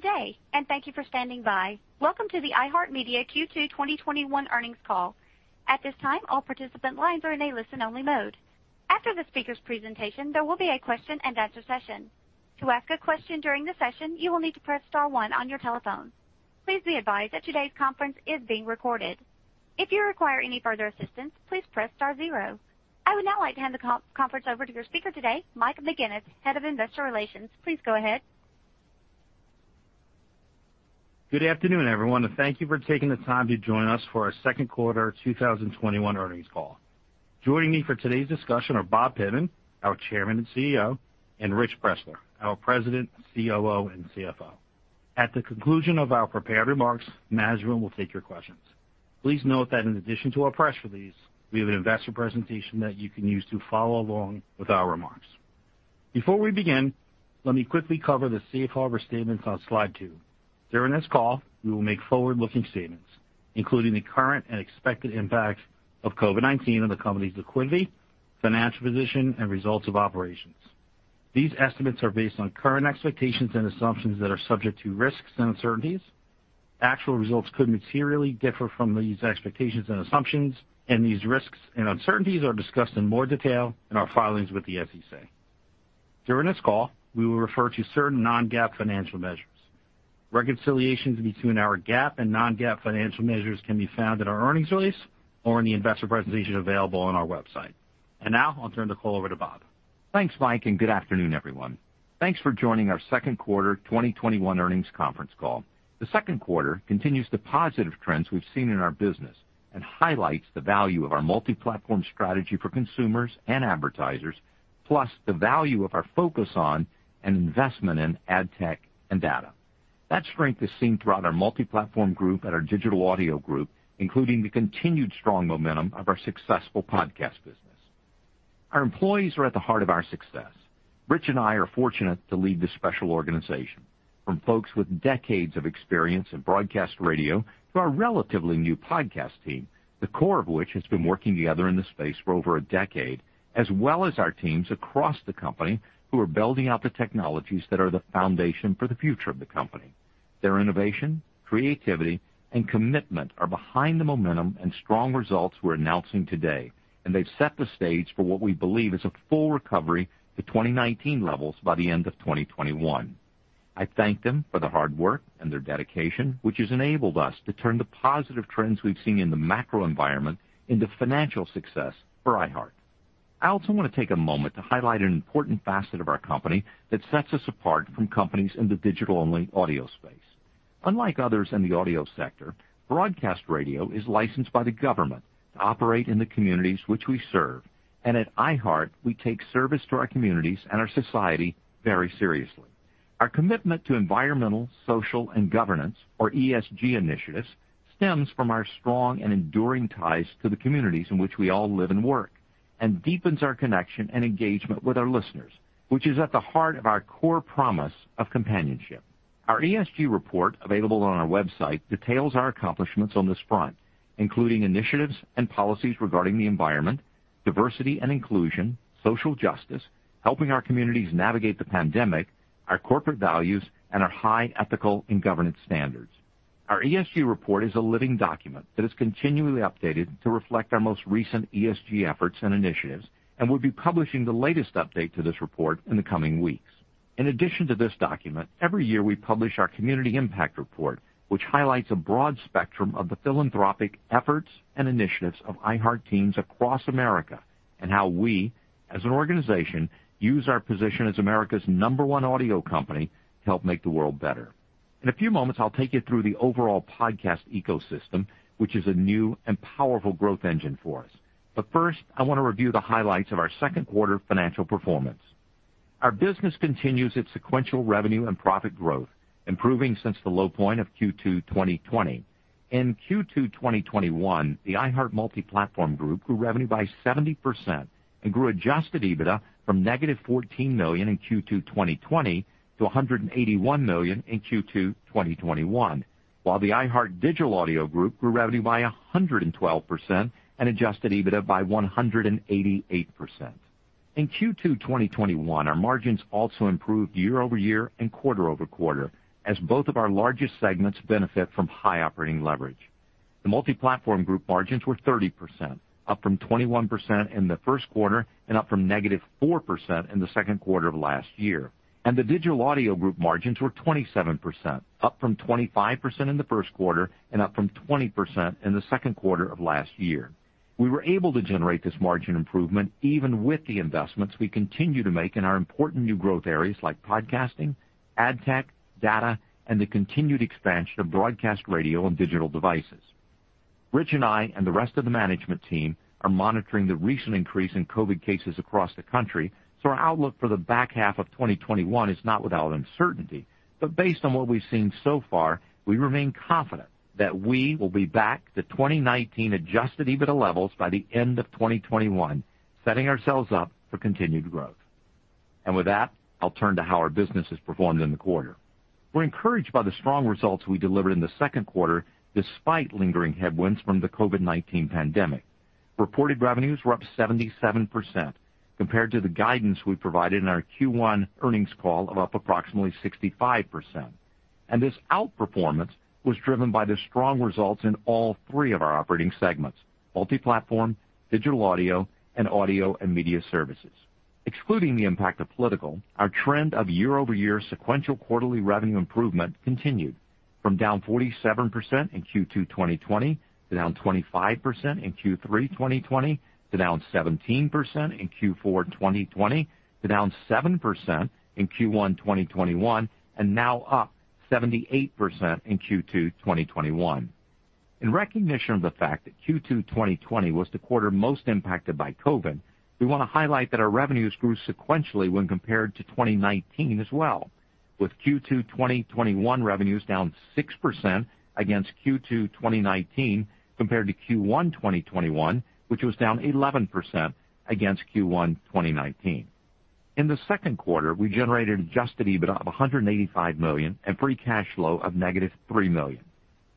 Good day, and thank you for standing by. Welcome to the iHeartMedia Q2 2021 earnings call. At this time, all participant lines are in a listen only mode. After the speaker's presentation, there will be a question and answer session. To ask a question during the session, you will need to press star one on your telephone. Please be advised that today's conference is being recorded. If you require any further assistance, please press star zero. I would now like to hand the conference over to your speaker today, Mike McGuinness, Head of Investor Relations, please go ahead. Good afternoon, everyone, and thank you for taking the time to join us for our second quarter 2021 earnings call. Joining me for today's discussion are Bob Pittman, our Chairman and Chief Executive Officer, and Rich Bressler, our President, Chief Operating Officer, and Chief Financial Officer. At the conclusion of our prepared remarks, management will take your questions. Please note that in addition to our press release, we have an investor presentation that you can use to follow along with our remarks. Before we begin, let me quickly cover the Safe Harbor statements on slide two. During this call, we will make forward-looking statements, including the current and expected impacts of COVID-19 on the company's liquidity, financial position, and results of operations. These estimates are based on current expectations and assumptions that are subject to risks and uncertainties. Actual results could materially differ from these expectations and assumptions. These risks and uncertainties are discussed in more detail in our filings with the SEC. During this call, we will refer to certain non-GAAP financial measures. Reconciliations between our GAAP and non-GAAP financial measures can be found in our earnings release or in the investor presentation available on our website. Now I'll turn the call over to Bob. Thanks, Mike, and good afternoon, everyone. Thanks for joining our second quarter 2021 earnings conference call. The second quarter continues the positive trends we've seen in our business and highlights the value of our multi-platform strategy for consumers and advertisers, plus the value of our focus on and investment in ad tech and data. That strength is seen throughout our Multiplatform Group and our Digital Audio Group, including the continued strong momentum of our successful podcast business. Our employees are at the heart of our success. Rich and I are fortunate to lead this special organization, from folks with decades of experience in broadcast radio to our relatively new podcast team, the core of which has been working together in this space for over a decade, as well as our teams across the company who are building out the technologies that are the foundation for the future of the company. Their innovation, creativity, and commitment are behind the momentum and strong results we're announcing today. They've set the stage for what we believe is a full recovery to 2019 levels by the end of 2021. I thank them for their hard work and their dedication, which has enabled us to turn the positive trends we've seen in the macro environment into financial success for iHeart. I also want to take a moment to highlight an important facet of our company that sets us apart from companies in the digital-only audio space. Unlike others in the audio sector, broadcast radio is licensed by the Government to operate in the communities which we serve. At iHeart, we take service to our communities and our society very seriously. Our commitment to environmental, social, and governance, or ESG initiatives, stems from our strong and enduring ties to the communities in which we all live and work and deepens our connection and engagement with our listeners, which is at the heart of our core promise of companionship. Our ESG report, available on our website, details our accomplishments on this front, including initiatives and policies regarding the environment, diversity and inclusion, social justice, helping our communities navigate the pandemic, our corporate values, and our high ethical and governance standards. Our ESG report is a living document that is continually updated to reflect our most recent ESG efforts and initiatives, and we'll be publishing the latest update to this report in the coming weeks. In addition to this document, every year, we publish our community impact report, which highlights a broad spectrum of the philanthropic efforts and initiatives of iHeart teams across America and how we, as an organization, use our position as America's number one audio company to help make the world better. In a few moments, I'll take you through the overall podcast ecosystem, which is a new and powerful growth engine for us. First, I want to review the highlights of our second quarter financial performance. Our business continues its sequential revenue and profit growth, improving since the low point of Q2 2020. In Q2 2021, the Multiplatform Group grew revenue by 70% and grew adjusted EBITDA from -$14 million in Q2 2020 to $181 million in Q2 2021, while the Digital Audio Group grew revenue by 112% and adjusted EBITDA by 188%. In Q2 2021, our margins also improved year-over-year and quarter-over-quarter as both of our largest segments benefit from high operating leverage. The Multi-Platform Group margins were 30%, up from 21% in the first quarter and up from -4% in the second quarter of last year. The Digital Audio Group margins were 27%, up from 25% in the first quarter and up from 20% in the second quarter of last year. We were able to generate this margin improvement even with the investments we continue to make in our important new growth areas like podcasting, ad tech, data, and the continued expansion of broadcast radio on digital devices. Rich and I and the rest of the management team are monitoring the recent increase in COVID cases across the country, so our outlook for the back half of 2021 is not without uncertainty. Based on what we've seen so far, we remain confident that we will be back to 2019 adjusted EBITDA levels by the end of 2021, setting ourselves up for continued growth. With that, I'll turn to how our business has performed in the quarter. We're encouraged by the strong results we delivered in the second quarter despite lingering headwinds from the COVID-19 pandemic. Reported revenues were up 77% compared to the guidance we provided in our Q1 earnings call of up approximately 65%. This outperformance was driven by the strong results in all three of our operating segments, Multiplatform, Digital Audio, and Audio and Media Services. Excluding the impact of political, our trend of year-over-year sequential quarterly revenue improvement continued from down 47% in Q2 2020, to down 25% in Q3 2020, to down 17% in Q4 2020, to down 7% in Q1 2021, and now up 78% in Q2 2021. In recognition of the fact that Q2 2020 was the quarter most impacted by COVID-19, we want to highlight that our revenues grew sequentially when compared to 2019 as well, with Q2 2021 revenues down 6% against Q2 2019, compared to Q1 2021, which was down 11% against Q1 2019. In the second quarter, we generated adjusted EBITDA of $185 million and free cash flow of negative $3 million.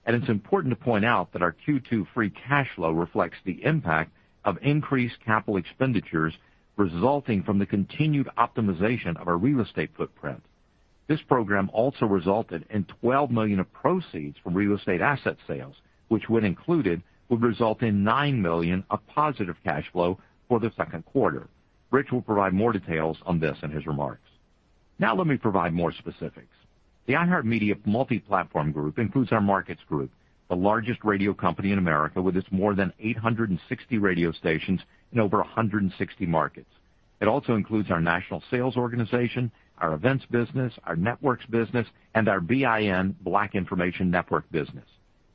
It is important to point out that our Q2 free cash flow reflects the impact of increased CapEx resulting from the continued optimization of our real estate footprint. This program also resulted in $12 million of proceeds from real estate asset sales, which when included, would result in $9 million of positive cash flow for the second quarter. Rich will provide more details on this in his remarks. Let me provide more specifics. The iHeartMedia Multiplatform Group includes our Markets group, the largest radio company in America, with its more than 860 radio stations in over 160 markets. It also includes our national sales organization, our events business, our networks business, and our BIN, Black Information Network business.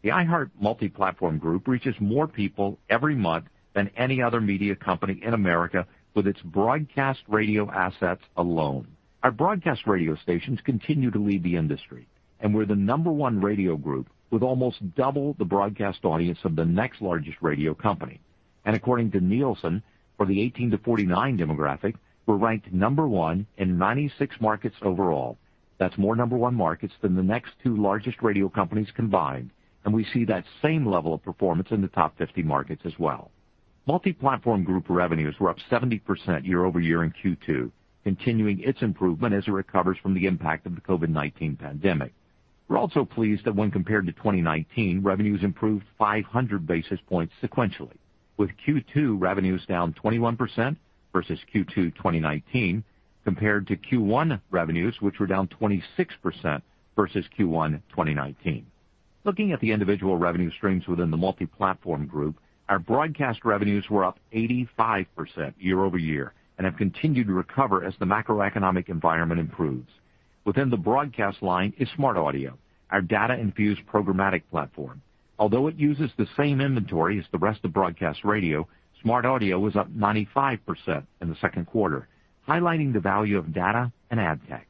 The iHeart Multiplatform Group reaches more people every month than any other media company in America with its broadcast radio assets alone. Our broadcast radio stations continue to lead the industry, we're the number one radio group with almost double the broadcast audience of the next largest radio company. According to Nielsen, for the 18 to 49 demographic, we're ranked number one in 96 markets overall. That's more number one markets than the next two largest radio companies combined, and we see that same level of performance in the top 50 markets as well. Multiplatform Group revenues were up 70% year-over-year in Q2, continuing its improvement as it recovers from the impact of the COVID-19 pandemic. We're also pleased that when compared to 2019, revenues improved 500 basis points sequentially, with Q2 revenues down 21% versus Q2 2019, compared to Q1 revenues, which were down 26% versus Q1 2019. Looking at the individual revenue streams within the Multiplatform Group, our broadcast revenues were up 85% year-over-year and have continued to recover as the macroeconomic environment improves. Within the broadcast line is SmartAudio, our data-infused programmatic platform. Although it uses the same inventory as the rest of broadcast radio, SmartAudio was up 95% in the second quarter, highlighting the value of data and ad tech.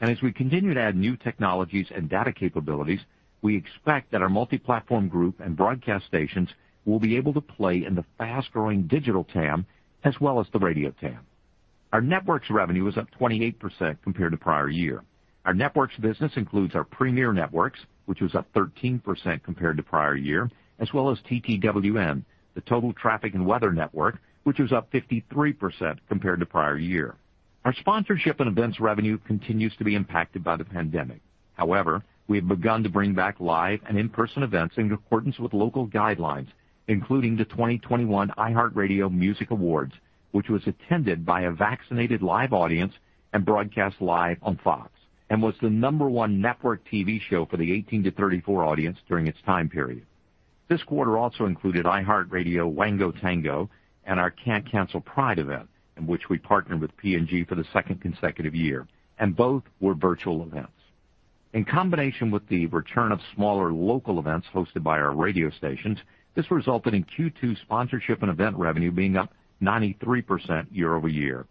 As we continue to add new technologies and data capabilities, we expect that our Multiplatform Group and broadcast stations will be able to play in the fast-growing digital TAM as well as the radio TAM. Our networks revenue was up 28% compared to prior year. Our networks business includes our Premiere Networks, which was up 13% compared to prior year, as well as TTWN, the Total Traffic & Weather Network, which was up 53% compared to prior year. Our sponsorship and events revenue continues to be impacted by the pandemic. However, we have begun to bring back live and in-person events in accordance with local guidelines, including the 2021 iHeartRadio Music Awards, which was attended by a vaccinated live audience and broadcast live on Fox and was the number one network TV show for the 18-34 audience during its time period. This quarter also included iHeartRadio Wango Tango and our Can't Cancel Pride event, in which we partnered with P&G for the second consecutive year, and both were virtual events. In combination with the return of smaller local events hosted by our radio stations, this resulted in Q2 sponsorship and event revenue being up 93% year-over-year.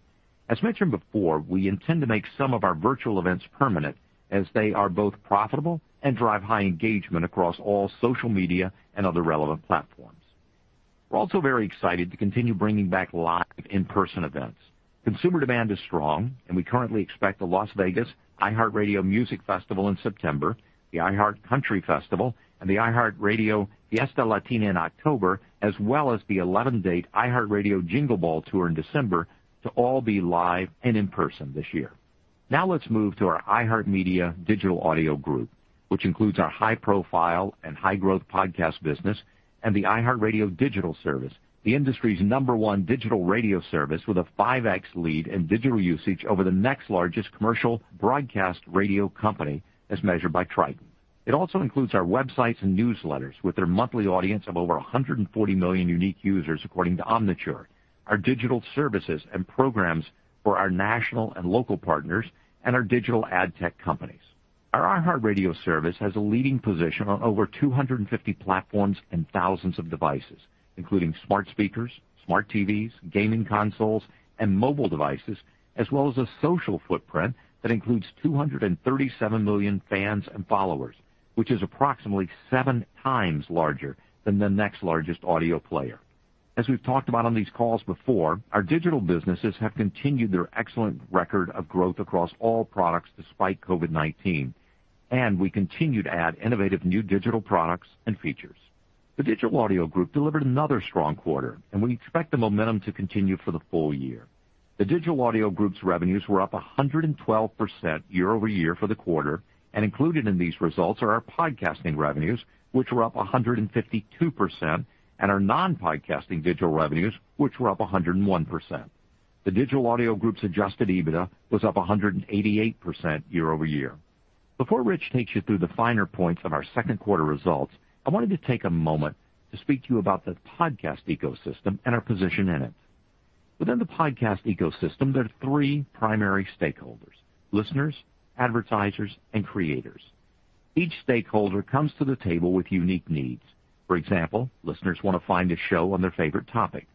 As mentioned before, we intend to make some of our virtual events permanent as they are both profitable and drive high engagement across all social media and other relevant platforms. We're also very excited to continue bringing back live in-person events. Consumer demand is strong, and we currently expect the Las Vegas iHeartRadio Music Festival in September, the iHeartCountry Festival, and the iHeartRadio Fiesta Latina in October, as well as the 11-date iHeartRadio Jingle Ball tour in December to all be live and in person this year. Let's move to our iHeartMedia Digital Audio Group, which includes our high-profile and high-growth podcast business and the iHeartRadio digital service, the industry's number one digital radio service with a 5x lead in digital usage over the next largest commercial broadcast radio company as measured by Triton. It also includes our websites and newsletters with their monthly audience of over 140 million unique users according to Omniture, our digital services and programs for our national and local partners, and our digital ad tech companies. Our iHeartRadio service has a leading position on over 250 platforms and thousands of devices, including smart speakers, smart TVs, gaming consoles, and mobile devices, as well as a social footprint that includes 237 million fans and followers, which is approximately seven times larger than the next largest audio player. As we've talked about on these calls before, our digital businesses have continued their excellent record of growth across all products despite COVID-19. We continue to add innovative new digital products and features. The Digital Audio Group delivered another strong quarter, and we expect the momentum to continue for the full year. The Digital Audio Group's revenues were up 112% year-over-year for the quarter, and included in these results are our podcasting revenues, which were up 152%, and our non-podcasting digital revenues, which were up 101%. The Digital Audio Group's adjusted EBITDA was up 188% year-over-year. Before Rich takes you through the finer points of our second quarter results, I wanted to take a moment to speak to you about the podcast ecosystem and our position in it. Within the podcast ecosystem, there are three primary stakeholders, listeners, advertisers, and creators. Each stakeholder comes to the table with unique needs. For example, listeners want to find a show on their favorite topic.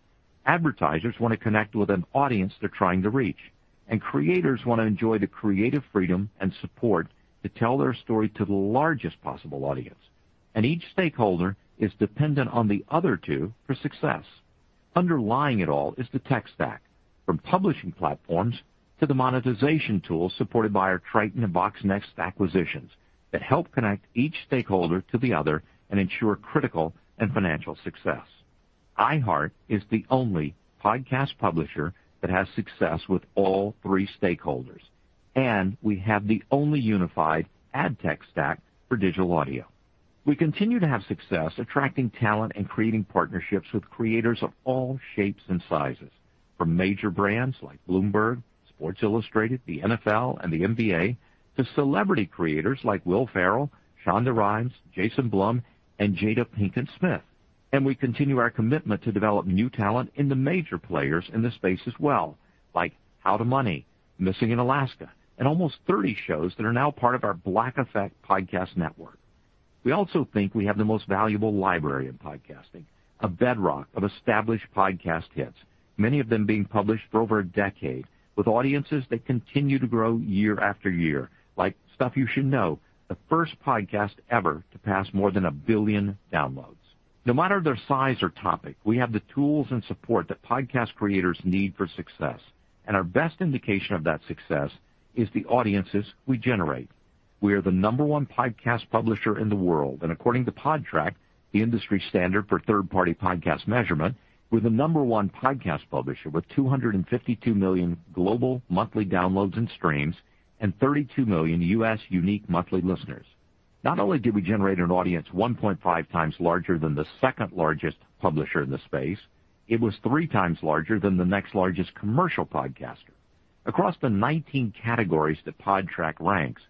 Advertisers want to connect with an audience they're trying to reach. Creators want to enjoy the creative freedom and support to tell their story to the largest possible audience. Each stakeholder is dependent on the other two for success. Underlying it all is the tech stack, from publishing platforms to the monetization tools supported by our Triton and Voxnest acquisitions that help connect each stakeholder to the other and ensure critical and financial success. iHeart is the only podcast publisher that has success with all three stakeholders, and we have the only unified ad tech stack for digital audio. We continue to have success attracting talent and creating partnerships with creators of all shapes and sizes, from major brands like Bloomberg, Sports Illustrated, the NFL, and the NBA, to celebrity creators like Will Ferrell, Shonda Rhimes, Jason Blum, and Jada Pinkett Smith. We continue our commitment to develop new talent in the major players in the space as well, like How to Money, Missing in Alaska, and almost 30 shows that are now part of our Black Effect Podcast Network. We also think we have the most valuable library in podcasting, a bedrock of established podcast hits, many of them being published for over a decade, with audiences that continue to grow year after year, like Stuff You Should Know, the first podcast ever to pass more than a billion downloads. No matter their size or topic, we have the tools and support that podcast creators need for success, and our best indication of that success is the audiences we generate. We are the number one podcast publisher in the world, and according to Podtrac, the industry standard for third-party podcast measurement, we're the number one podcast publisher with 252 million global monthly downloads and streams and 32 million U.S. unique monthly listeners. Not only did we generate an audience 1.5x larger than the second largest publisher in the space, it was 3x larger than the next largest commercial podcaster. Across the 19 categories that Podtrac ranks,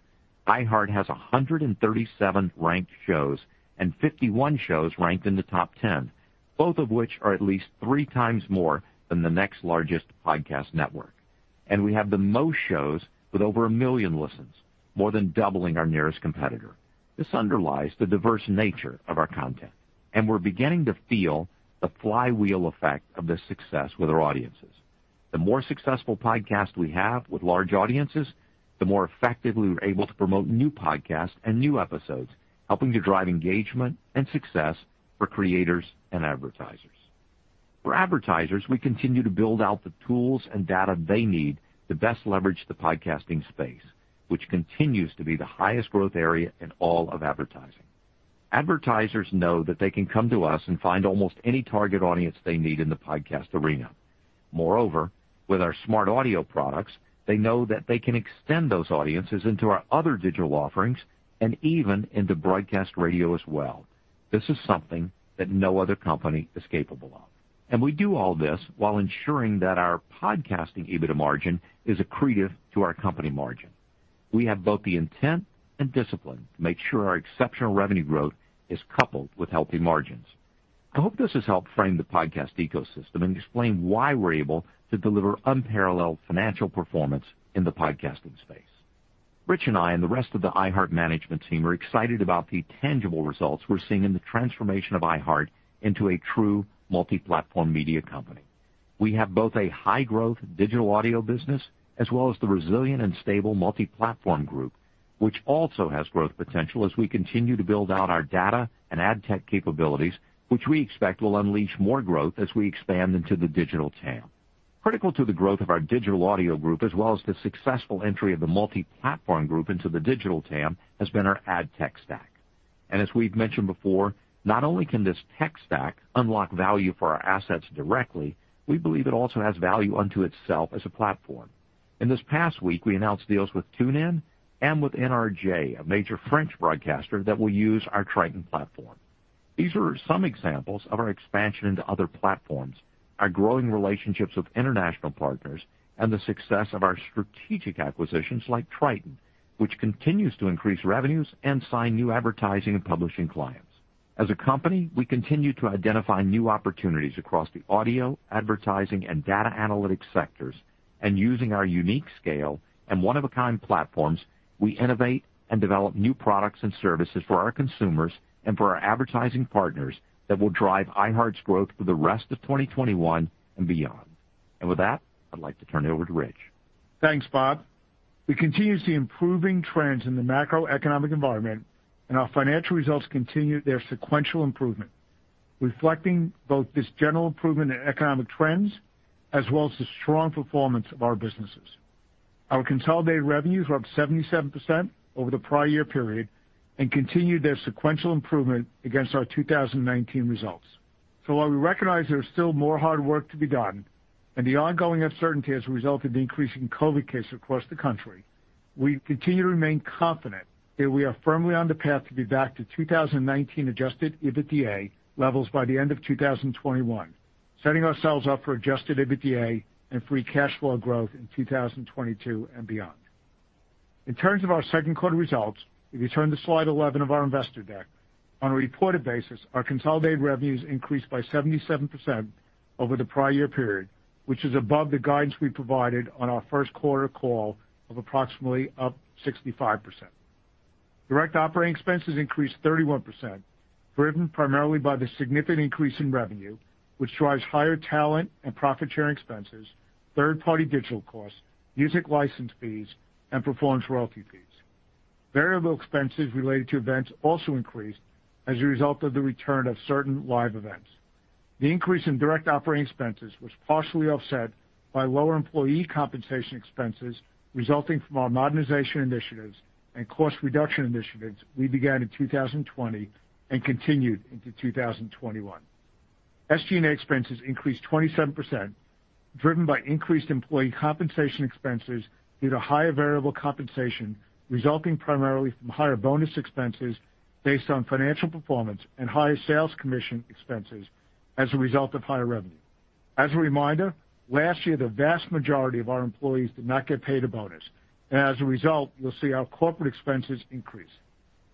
iHeart has 137 ranked shows, and 51 shows ranked in the top 10, both of which are at least 3x more than the next largest podcast network. We have the most shows with over a million listens, more than doubling our nearest competitor. This underlies the diverse nature of our content. We're beginning to feel the flywheel effect of this success with our audiences. The more successful podcasts we have with large audiences, the more effectively we're able to promote new podcasts and new episodes, helping to drive engagement and success for creators and advertisers. For advertisers, we continue to build out the tools and data they need to best leverage the podcasting space, which continues to be the highest growth area in all of advertising. Advertisers know that they can come to us and find almost any target audience they need in the podcast arena. Moreover, with our SmartAudio products, they know that they can extend those audiences into our other digital offerings and even into broadcast radio as well. This is something that no other company is capable of. We do all this while ensuring that our podcasting EBITDA margin is accretive to our company margin. We have both the intent and discipline to make sure our exceptional revenue growth is coupled with healthy margins. I hope this has helped frame the podcast ecosystem and explain why we're able to deliver unparalleled financial performance in the podcasting space. Rich and I and the rest of the iHeartMedia management team are excited about the tangible results we're seeing in the transformation of iHeartMedia into a true multi-platform media company. We have both a high growth digital audio business as well as the resilient and stable Multiplatform Group, which also has growth potential as we continue to build out our data and ad tech capabilities, which we expect will unleash more growth as we expand into the digital TAM. Critical to the growth of our Digital Audio Group, as well as the successful entry of the Multiplatform Group into the digital TAM, has been our ad tech stack. As we've mentioned before, not only can this tech stack unlock value for our assets directly, we believe it also has value unto itself as a platform. In this past week, we announced deals with TuneIn and with NRJ, a major French broadcaster that will use our Triton platform. These are some examples of our expansion into other platforms, our growing relationships with international partners, and the success of our strategic acquisitions like Triton, which continues to increase revenues and sign new advertising and publishing clients. As a company, we continue to identify new opportunities across the audio, advertising, and data analytics sectors. Using our unique scale and one-of-a-kind platforms, we innovate and develop new products and services for our consumers and for our advertising partners that will drive iHeart's growth for the rest of 2021 and beyond. With that, I'd like to turn it over to Rich. Thanks, Bob. We continue to see improving trends in the macroeconomic environment, and our financial results continue their sequential improvement, reflecting both this general improvement in economic trends as well as the strong performance of our businesses. Our consolidated revenues were up 77% over the prior year period and continued their sequential improvement against our 2019 results. While we recognize there is still more hard work to be done and the ongoing uncertainty as a result of the increase in COVID-19 cases across the country, we continue to remain confident that we are firmly on the path to be back to 2019 adjusted EBITDA levels by the end of 2021, setting ourselves up for adjusted EBITDA and free cash flow growth in 2022 and beyond. In terms of our second quarter results, if you turn to slide 11 of our investor deck, on a reported basis, our consolidated revenues increased by 77% over the prior year period, which is above the guidance we provided on our first quarter call of approximately up 65%. Direct operating expenses increased 31%, driven primarily by the significant increase in revenue, which drives higher talent and profit-sharing expenses, third-party digital costs, music license fees, and performance royalty fees. Variable expenses related to events also increased as a result of the return of certain live events. The increase in direct operating expenses was partially offset by lower employee compensation expenses resulting from our modernization initiatives and cost reduction initiatives we began in 2020 and continued into 2021. SG&A expenses increased 27%, driven by increased employee compensation expenses due to higher variable compensation, resulting primarily from higher bonus expenses based on financial performance and higher sales commission expenses as a result of higher revenue. As a reminder, last year, the vast majority of our employees did not get paid a bonus, and as a result, you'll see our corporate expenses increase.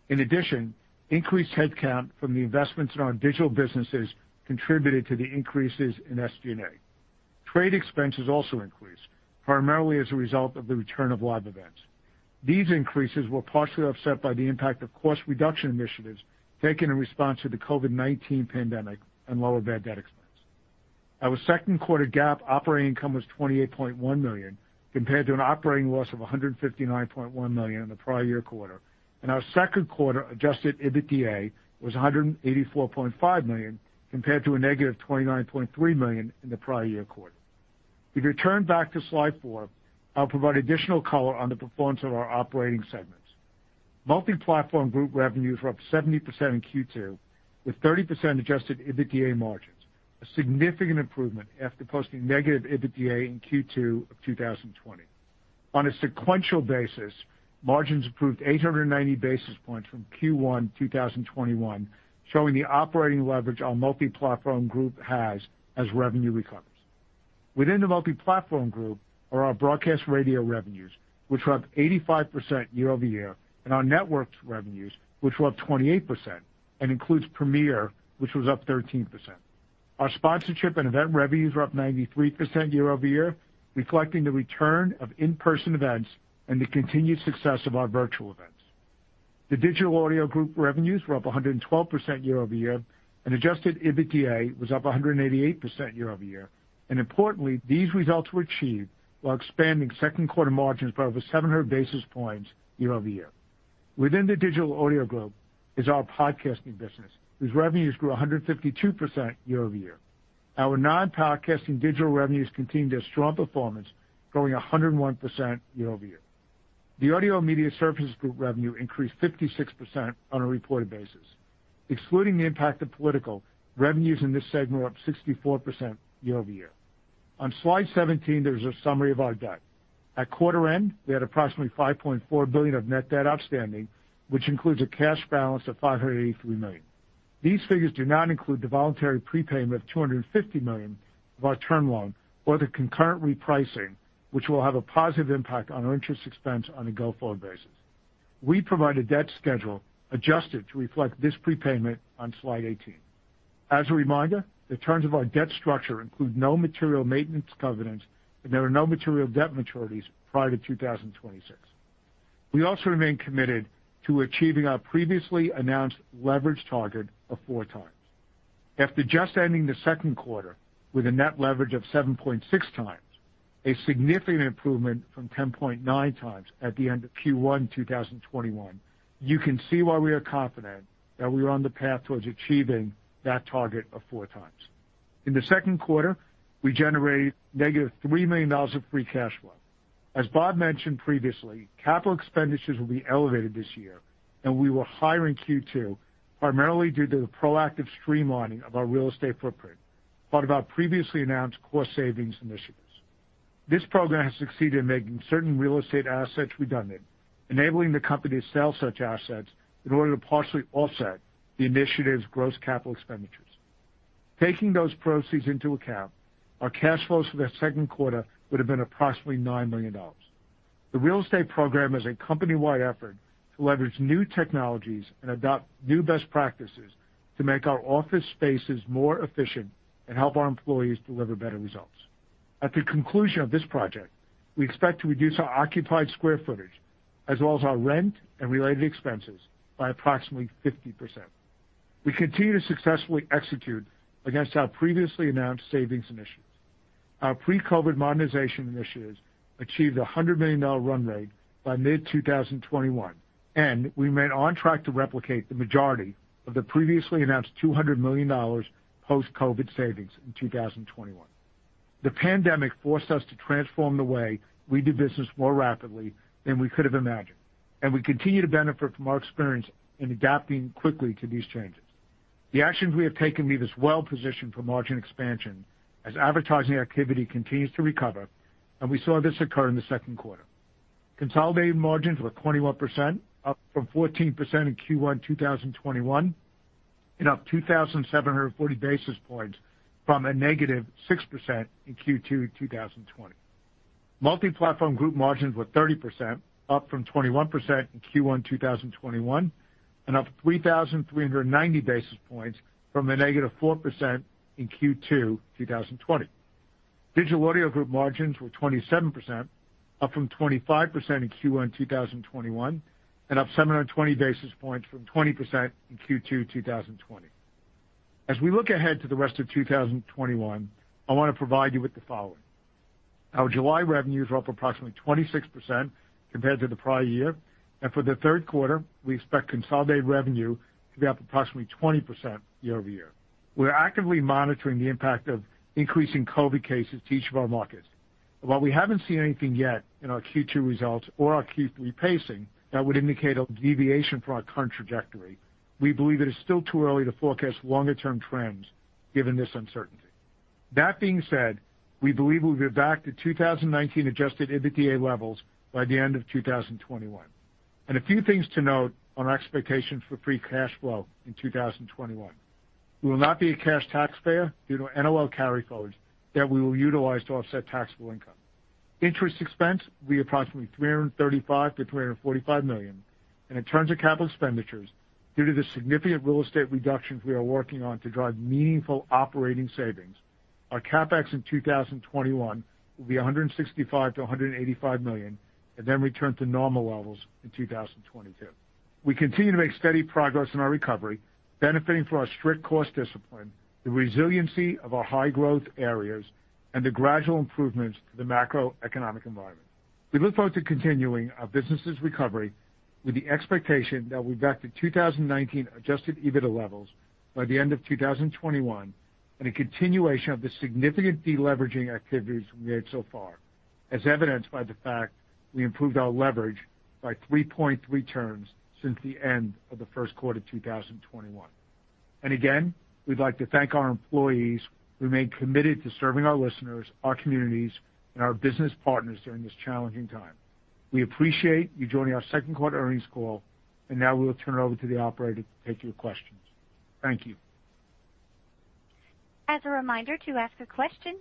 In addition, increased headcount from the investments in our digital businesses contributed to the increases in SG&A. Trade expenses also increased, primarily as a result of the return of live events. These increases were partially offset by the impact of cost reduction initiatives taken in response to the COVID-19 pandemic and lower bad debt expense. Our second quarter GAAP operating income was $28.1 million, compared to an operating loss of $159.1 million in the prior year quarter, and our second quarter adjusted EBITDA was $184.5 million, compared to a negative $29.3 million in the prior year quarter. If you turn back to slide four, I'll provide additional color on the performance of our operating segments. Multi-Platform Group revenues were up 70% in Q2, with 30% adjusted EBITDA margins, a significant improvement after posting negative EBITDA in Q2 of 2020. On a sequential basis, margins improved 890 basis points from Q1 2021, showing the operating leverage our Multi-Platform Group has as revenue recovers. Within the Multi-Platform Group are our broadcast radio revenues, which were up 85% year-over-year, and our networks revenues, which were up 28% and includes Premiere, which was up 13%. Our sponsorship and event revenues were up 93% year-over-year, reflecting the return of in-person events and the continued success of our virtual events. The Digital Audio Group revenues were up 112% year-over-year. Adjusted EBITDA was up 188% year-over-year. Importantly, these results were achieved while expanding second quarter margins by over 700 basis points year-over-year. Within the Digital Audio Group is our podcasting business, whose revenues grew 152% year-over-year. Our non-podcasting digital revenues continued their strong performance, growing 101% year-over-year. The Audio & Media Services Group revenue increased 56% on a reported basis. Excluding the impact of political, revenues in this segment were up 64% year-over-year. On slide 17, there is a summary of our debt. At quarter-end, we had approximately $5.4 billion of net debt outstanding, which includes a cash balance of $583 million. These figures do not include the voluntary prepayment of $250 million of our term loan or the concurrent repricing, which will have a positive impact on our interest expense on a go-forward basis. We provide a debt schedule adjusted to reflect this prepayment on slide 18. As a reminder, the terms of our debt structure include no material maintenance covenants, and there are no material debt maturities prior to 2026. We also remain committed to achieving our previously announced leverage target of 4x. After just ending the second quarter with a net leverage of 7.6x, a significant improvement from 10.9x at the end of Q1 2021, you can see why we are confident that we are on the path towards achieving that target of 4x. In the second quarter, we generated -$3 million of free cash flow. As Bob Pittman mentioned previously, capital expenditures will be elevated this year, and we were higher in Q2, primarily due to the proactive streamlining of our real estate footprint, part of our previously announced cost savings initiatives. This program has succeeded in making certain real estate assets redundant, enabling the company to sell such assets in order to partially offset the initiative's gross capital expenditures. Taking those proceeds into account, our cash flows for the second quarter would've been approximately $9 million. The real estate program is a company-wide effort to leverage new technologies and adopt new best practices to make our office spaces more efficient and help our employees deliver better results. At the conclusion of this project, we expect to reduce our occupied square footage as well as our rent and related expenses by approximately 50%. We continue to successfully execute against our previously announced savings initiatives. Our pre-COVID-19 modernization initiatives achieved a $100 million run rate by mid-2021, and we remain on track to replicate the majority of the previously announced $200 million post-COVID-19 savings in 2021. The pandemic forced us to transform the way we do business more rapidly than we could have imagined, and we continue to benefit from our experience in adapting quickly to these changes. The actions we have taken leave us well-positioned for margin expansion as advertising activity continues to recover, and we saw this occur in the second quarter. Consolidated margins were 21%, up from 14% in Q1 2021, and up 2,740 basis points from a -6% in Q2 2020. Multiplatform Group margins were 30%, up from 21% in Q1 2021, and up 3,390 basis points from a -4% in Q2 2020. Digital Audio Group margins were 27%, up from 25% in Q1 2021, and up 720 basis points from 20% in Q2 2020. As we look ahead to the rest of 2021, I want to provide you with the following. Our July revenues were up approximately 26% compared to the prior year, and for the third quarter, we expect consolidated revenue to be up approximately 20% year-over-year. We're actively monitoring the impact of increasing COVID-19 cases to each of our markets. While we haven't seen anything yet in our Q2 results or our Q3 pacing that would indicate a deviation from our current trajectory, we believe it is still too early to forecast longer-term trends given this uncertainty. That being said, we believe we'll be back to 2019 adjusted EBITDA levels by the end of 2021. A few things to note on our expectations for free cash flow in 2021. We will not be a cash taxpayer due to NOL carryforwards that we will utilize to offset taxable income. Interest expense will be approximately $335 million-$345 million. In terms of capital expenditures, due to the significant real estate reductions we are working on to drive meaningful operating savings, our CapEx in 2021 will be $165 million-$185 million and then return to normal levels in 2022. We continue to make steady progress in our recovery, benefiting from our strict cost discipline, the resiliency of our high-growth areas, and the gradual improvements to the macroeconomic environment. We look forward to continuing our business' recovery with the expectation that we'll be back to 2019 adjusted EBITDA levels by the end of 2021 and a continuation of the significant de-leveraging activities we made so far, as evidenced by the fact we improved our leverage by 3.3 turns since the end of the first quarter of 2021. Again, we'd like to thank our employees who remain committed to serving our listeners, our communities, and our business partners during this challenging time. We appreciate you joining our second quarter earnings call, and now we'll turn it over to the operator to take your questions. Thank you. As a reminder if you would like to ask a question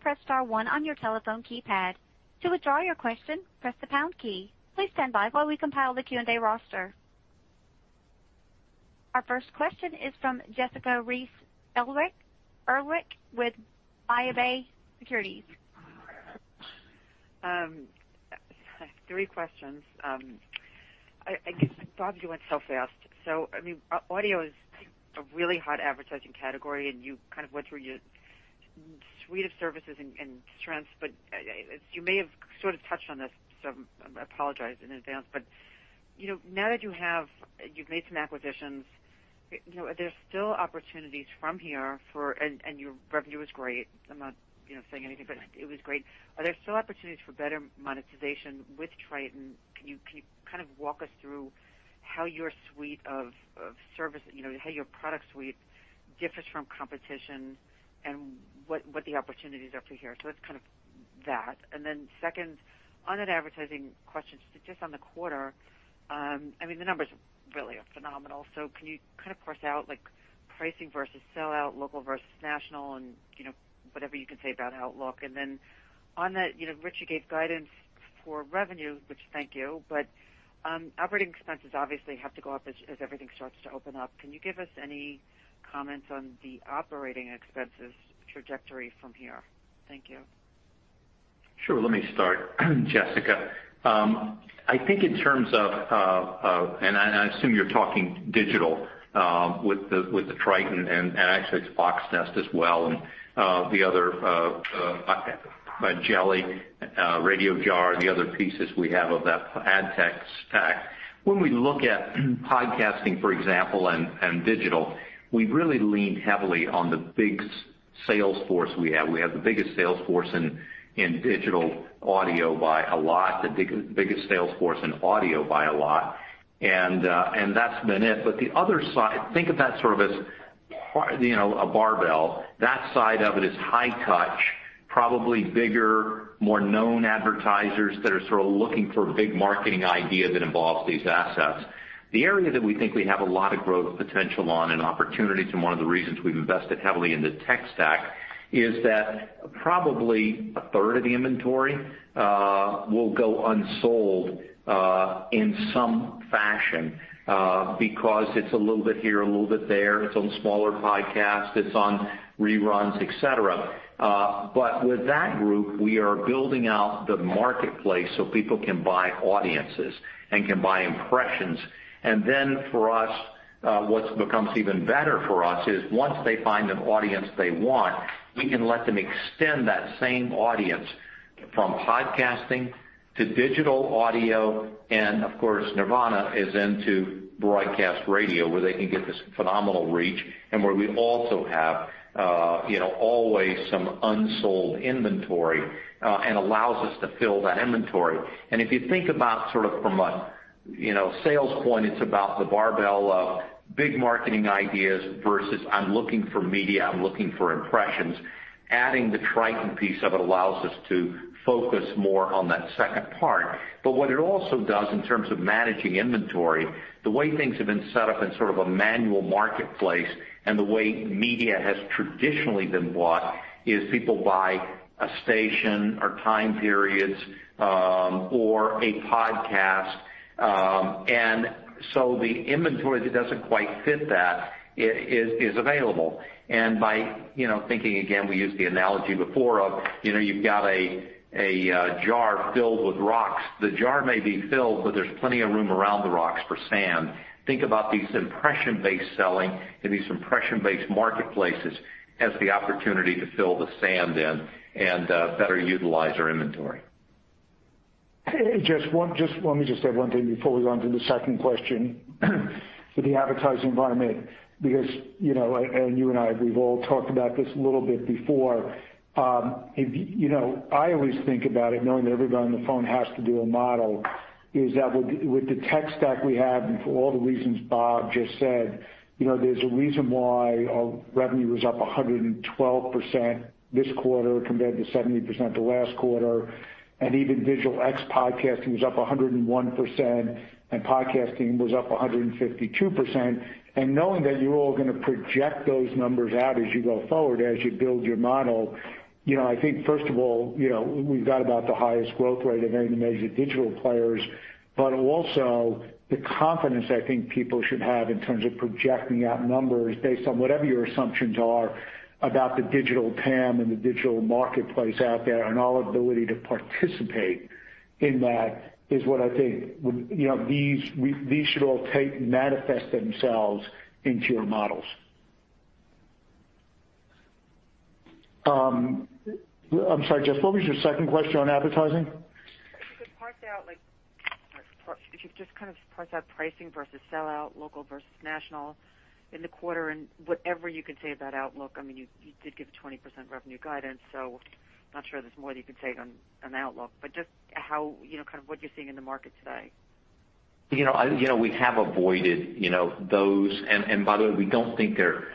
press star one one your telephone keypad. To withdraw your question press the pound key please stand by as we compile the Q&A roster. The Our first question is from Jessica Reif Ehrlich with BofA Securities. Three questions. Bob, you went so fast. Audio is a really hot advertising category, and you kind of went through your suite of services and strengths, but you may have sort of touched on this, so I apologize in advance, but now that you've made some acquisitions, are there still opportunities from here for and your revenue is great. I'm not saying anything, but it was great. Are there still opportunities for better monetization with Triton? Can you kind of walk us through how your suite of service, how your product suite differs from competition and what the opportunities are for here? That's kind of that. Second, on an advertising question, just on the quarter, the numbers really are phenomenal. Can you kind of parse out like pricing versus sellout, local versus national and whatever you can say about outlook. On that, Rich, you gave guidance for revenue, which thank you, but Operating Expenses obviously have to go up as everything starts to open up. Can you give us any comments on the Operating Expenses trajectory from here? Thank you. Sure. Let me start, Jessica. I think in terms of, I assume you're talking digital with the Triton and actually it's Voxnest as well and Jelli, Radiojar, the other pieces we have of that ad tech stack. When we look at podcasting, for example, and digital, we've really leaned heavily on the biggest sales force we have. We have the biggest sales force in digital audio by a lot, the biggest sales force in audio by a lot. That's been it. The other side, think of that sort of as part, a barbell. That side of it is high touch, probably bigger, more known advertisers that are sort of looking for big marketing ideas that involves these assets. The area that we think we have a lot of growth potential on and opportunities, one of the reasons we've invested heavily in the tech stack is that probably a third of the inventory will go unsold in some fashion because it's a little bit here, a little bit there, it's on smaller podcasts, it's on reruns, et cetera. With that group, we are building out the marketplace so people can buy audiences and can buy impressions. For us, what becomes even better for us is once they find an audience they want, we can let them extend that same audience From podcasting to digital audio, of course, iHeartMedia is into broadcast radio where they can get this phenomenal reach and where we also have always some unsold inventory and allows us to fill that inventory. If you think about from a sales point, it's about the barbell of big marketing ideas versus I'm looking for media, I'm looking for impressions. Adding the Triton piece of it allows us to focus more on that second part. What it also does in terms of managing inventory, the way things have been set up in sort of a manual marketplace and the way media has traditionally been bought is people buy a station or time periods or a podcast. The inventory that doesn't quite fit that is available. By thinking, again, we used the analogy before of you've got a jar filled with rocks. The jar may be filled, but there's plenty of room around the rocks for sand. Think about these impression-based selling and these impression-based marketplaces as the opportunity to fill the sand in and better utilize our inventory. Let me just add one thing before we go on to the second question for the advertising environment, because you and I, we've all talked about this a little bit before. I always think about it, knowing that everybody on the phone has to do a model, is that with the tech stack we have and for all the reasons Bob just said, there's a reason why our revenue was up 112% this quarter compared to 70% the last quarter. Even digital ex-podcast was up 101% and podcasting was up 152%. Knowing that you're all going to project those numbers out as you go forward, as you build your model, I think first of all, we've got about the highest growth rate of any of the major digital players, but also the confidence I think people should have in terms of projecting out numbers based on whatever your assumptions are about the digital TAM and the digital marketplace out there and our ability to participate in that is what I think these should all take and manifest themselves into your models. I'm sorry, Jess, what was your second question on advertising? If you could just kind of parse out pricing versus sellout, local versus national in the quarter and whatever you can say about outlook? You did give 20% revenue guidance, so I'm not sure there's more that you can say on outlook, but just what you're seeing in the market today. We have avoided those. By the way, we don't think they're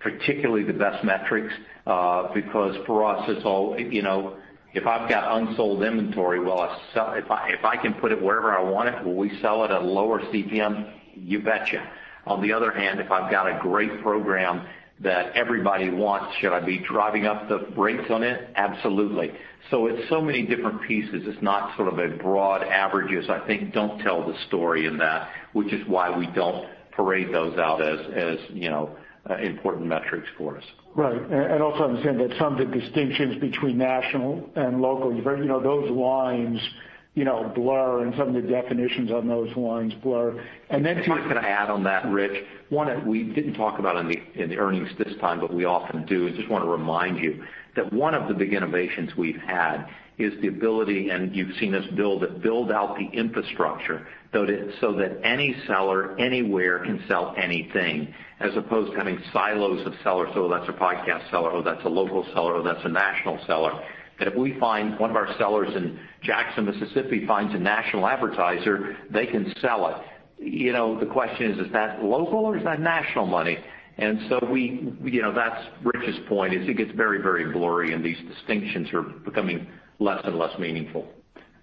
particularly the best metrics because for us, if I've got unsold inventory, if I can put it wherever I want it, will we sell it at a lower CPM? You betcha. On the other hand, if I've got a great program that everybody wants, should I be driving up the rates on it? Absolutely. It's so many different pieces. It's not sort of a broad averages, I think don't tell the story in that, which is why we don't parade those out as important metrics for us. Right. Also understand that some of the distinctions between national and local, those lines blur and some of the definitions on those lines blur. If I could add on that, Rich, one that we didn't talk about in the earnings this time, but we often do, is just want to remind you that one of the big innovations we've had is the ability, and you've seen us build out the infrastructure so that any seller anywhere can sell anything as opposed to having silos of sellers. That's a podcast seller, or that's a local seller, or that's a national seller. That if we find one of our sellers in Jackson, Mississippi, finds a national advertiser, they can sell it. The question is that local or is that national money? That's Rich's point, is it gets very blurry and these distinctions are becoming less and less meaningful.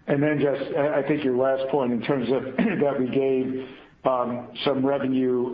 Jess, I think your last point in terms of that we gave some revenue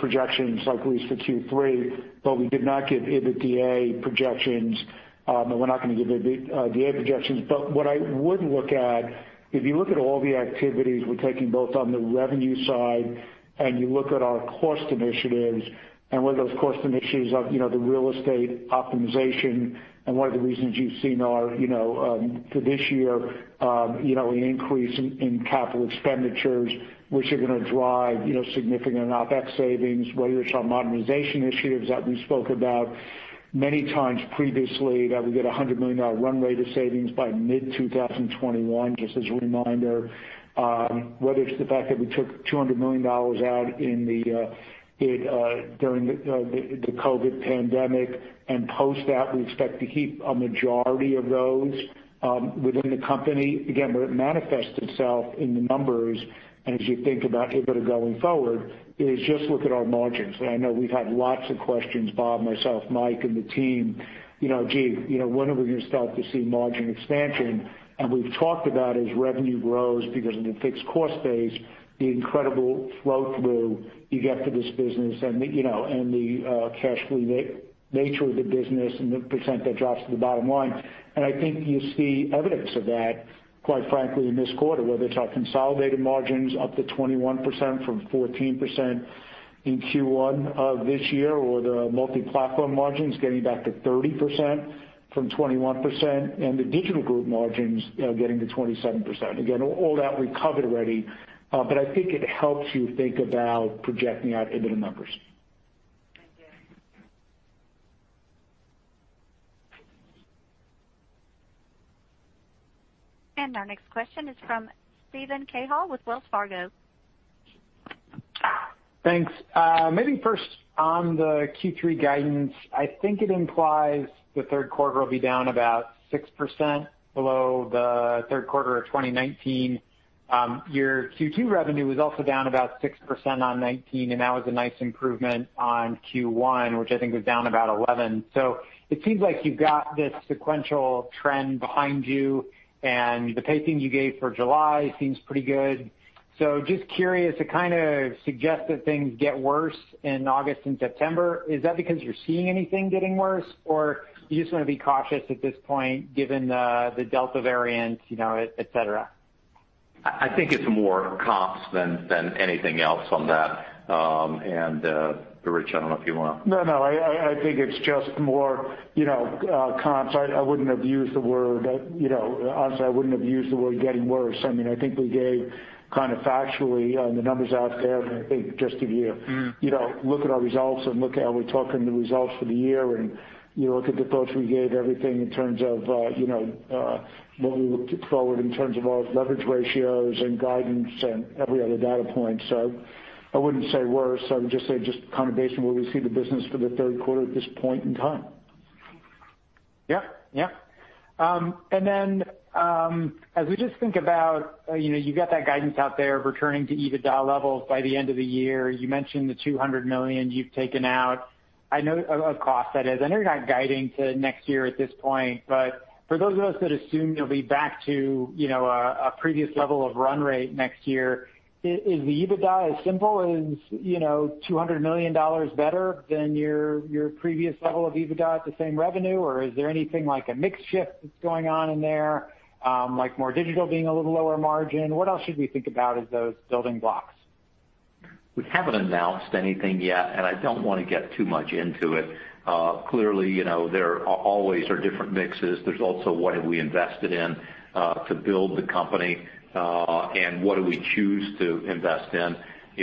projections, at least for Q3, but we did not give EBITDA projections, and we're not going to give EBITDA projections. What I would look at, if you look at all the activities we're taking both on the revenue side and you look at our cost initiatives and where those cost initiatives are, the real estate optimization and one of the reasons you've seen for this year an increase in capital expenditures, which are going to drive significant OpEx savings, whether it's our modernization initiatives that we spoke about many times previously, that we get $100 million run rate of savings by mid-2021, just as a reminder. Whether it's the fact that we took $200 million out during the COVID-19 pandemic and post that, we expect to keep a majority of those within the company. Where it manifests itself in the numbers, as you think about EBITDA going forward, is just look at our margins. I know we've had lots of questions, Bob Pittman, myself, Mike McGuinness, and the team, gee, when are we going to start to see margin expansion? We've talked about as revenue grows because of the fixed cost base, the incredible flow through you get for this business and the cash flow nature of the business and the percentage that drops to the bottom line. I think you see evidence of that, quite frankly, in this quarter, whether it's our consolidated margins up to 21% from 14% in Q1 of this year or the Multiplatform margins getting back to 30% from 21% and the Digital Group margins getting to 27%. All that recovered already, but I think it helps you think about projecting out EBITDA numbers. Our next question is from Steven Cahall with Wells Fargo. Thanks. Maybe first on the Q3 guidance, I think it implies the third quarter will be down about 6% below the third quarter of 2019. Your Q2 revenue was also down about 6% on 2019, and that was a nice improvement on Q1, which I think was down about 11%. It seems like you've got this sequential trend behind you, and the pacing you gave for July seems pretty good. Just curious, it kind of suggests that things get worse in August and September. Is that because you're seeing anything getting worse, or you just want to be cautious at this point, given the Delta variant et cetera? I think it's more comps than anything else on that. Rich, I don't know if you want to. I think it's just more comps. Honestly, I wouldn't have used the word getting worse. I think we gave kind of factually the numbers out there. I think just if you look at our results and look at how we're talking the results for the year and you look at the thoughts we gave, everything in terms of what we looked at forward in terms of our leverage ratios and guidance and every other data point. I wouldn't say worse. I would just say accommodation where we see the business for the third quarter at this point in time. Yeah. As we just think about you got that guidance out there returning to EBITDA levels by the end of the year. You mentioned the $200 million you've taken out of cost. I know you're not guiding to next year at this point, but for those of us that assume you'll be back to a previous level of run rate next year, is the EBITDA as simple as $200 million better than your previous level of EBITDA at the same revenue? Is there anything like a mix shift that's going on in there? Like more Digital being a little lower margin? What else should we think about as those building blocks? We haven't announced anything yet, and I don't want to get too much into it. Clearly, there always are different mixes. There's also what have we invested in to build the company, and what do we choose to invest in.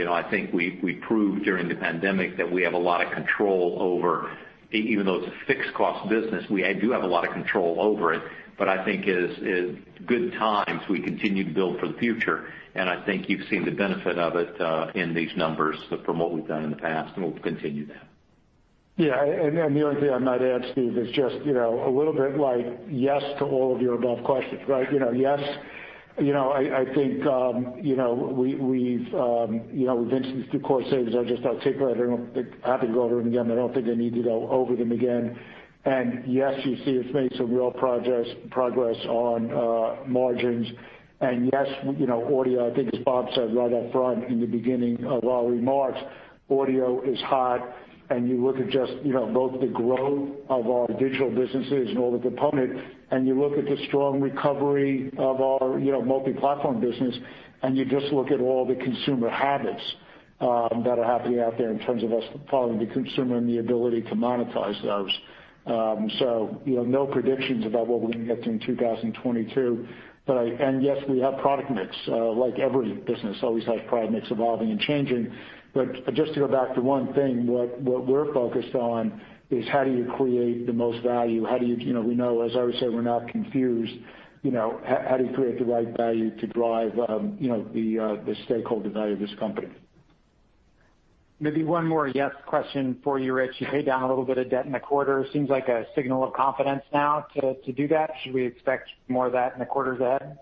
I think we proved during the pandemic that we have a lot of control over, even though it's a fixed cost business, we do have a lot of control over it. I think as good times, we continue to build for the future, and I think you've seen the benefit of it in these numbers from what we've done in the past, and we'll continue that. Yeah. The only thing I might add, Steve, is just a little bit like yes to all of your above questions, right? Yes, I think we've been through core savings. I'll just articulate. I don't know if they're happy to go over them again, but I don't think I need to go over them again. Yes, you see us make some real progress on margins. Yes, audio, I think as Bob said right up front in the beginning of our remarks, audio is hot. You look at just both the growth of our Digital businesses and all the component, and you look at the strong recovery of our Multiplatform business, and you just look at all the consumer habits that are happening out there in terms of us following the consumer and the ability to monetize those. No predictions about what we're going to get to in 2022. Yes, we have product mix, like every business always has product mix evolving and changing. Just to go back to 1 thing, what we're focused on is how do you create the most value? As I always say, we're not confused. How do you create the right value to drive the stakeholder value of this company? Maybe one more yes question for you, Rich? You paid down a little bit of debt in the quarter. Seems like a signal of confidence now to do that. Should we expect more of that in the quarters ahead?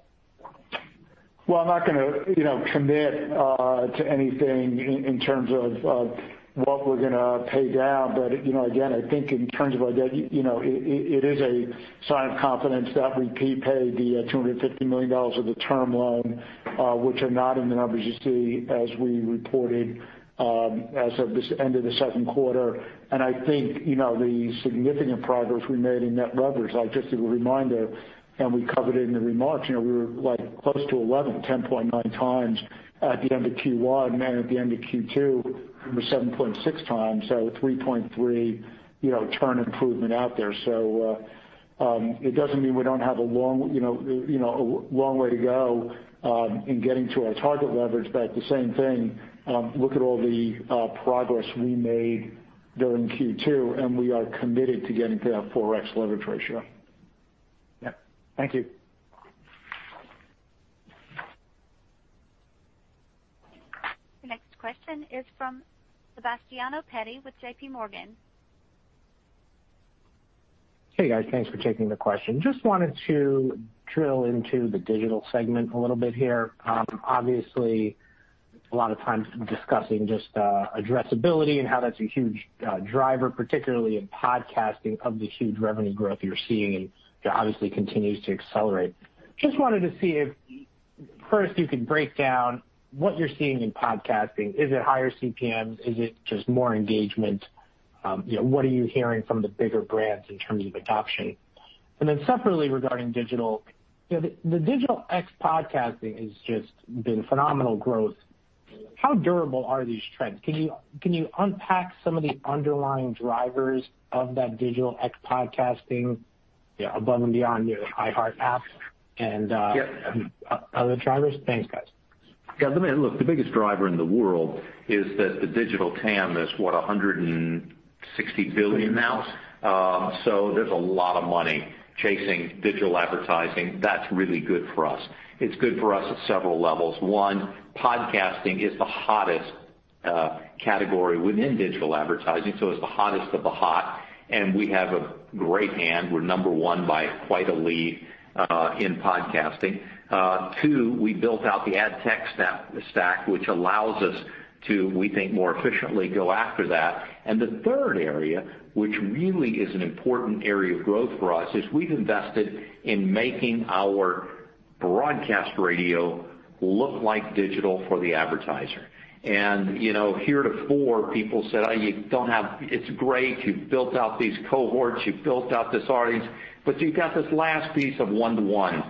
I'm not going to commit to anything in terms of what we're going to pay down. Again, I think in terms of our debt, it is a sign of confidence that we prepaid the $250 million of the term loan, which are not in the numbers you see as we reported as of this end of the second quarter. I think the significant progress we made in net leverage, just as a reminder, and we covered it in the remarks, we were close to 11x, 10.9 times at the end of Q1. At the end of Q2, it was 7.6x. 3.3 turn improvement out there. It doesn't mean we don't have a long way to go in getting to our target leverage. At the same thing, look at all the progress we made during Q2, and we are committed to getting to that 4x leverage ratio. Yeah. Thank you. The next question is from Sebastiano Petti with JPMorgan. Hey, guys. Thanks for taking the question. Just wanted to drill into the digital segment a little bit here. Obviously, a lot of times discussing just addressability and how that's a huge driver, particularly in podcasting of the huge revenue growth you're seeing, and it obviously continues to accelerate. Just wanted to see if, first, you could break down what you're seeing in podcasting. Is it higher CPMs? Is it just more engagement? What are you hearing from the bigger brands in terms of adoption? Separately regarding digital. The [DigitalXpodcasting] has just been phenomenal growth. How durable are these trends? Can you unpack some of the underlying drivers of that [DigitalXpodcasting] above and beyond your iHeart apps and other drivers? Thanks, guys. Yeah. Look, the biggest driver in the world is that the digital TAM is, what, $160 billion now? There's a lot of money chasing digital advertising. That's really good for us. It's good for us at several levels. One, podcasting is the hottest category within digital advertising, so it's the hottest of the hot, and we have a great hand. We're number one by quite a lead in podcasting. Two, we built out the ad tech stack, which allows us to, we think, more efficiently go after that. The third area, which really is an important area of growth for us, is we've invested in making our broadcast radio look like digital for the advertiser. Heretofore, people said, it's great. You've built out these cohorts, you've built out this audience, but you've got this last piece of one-to-one.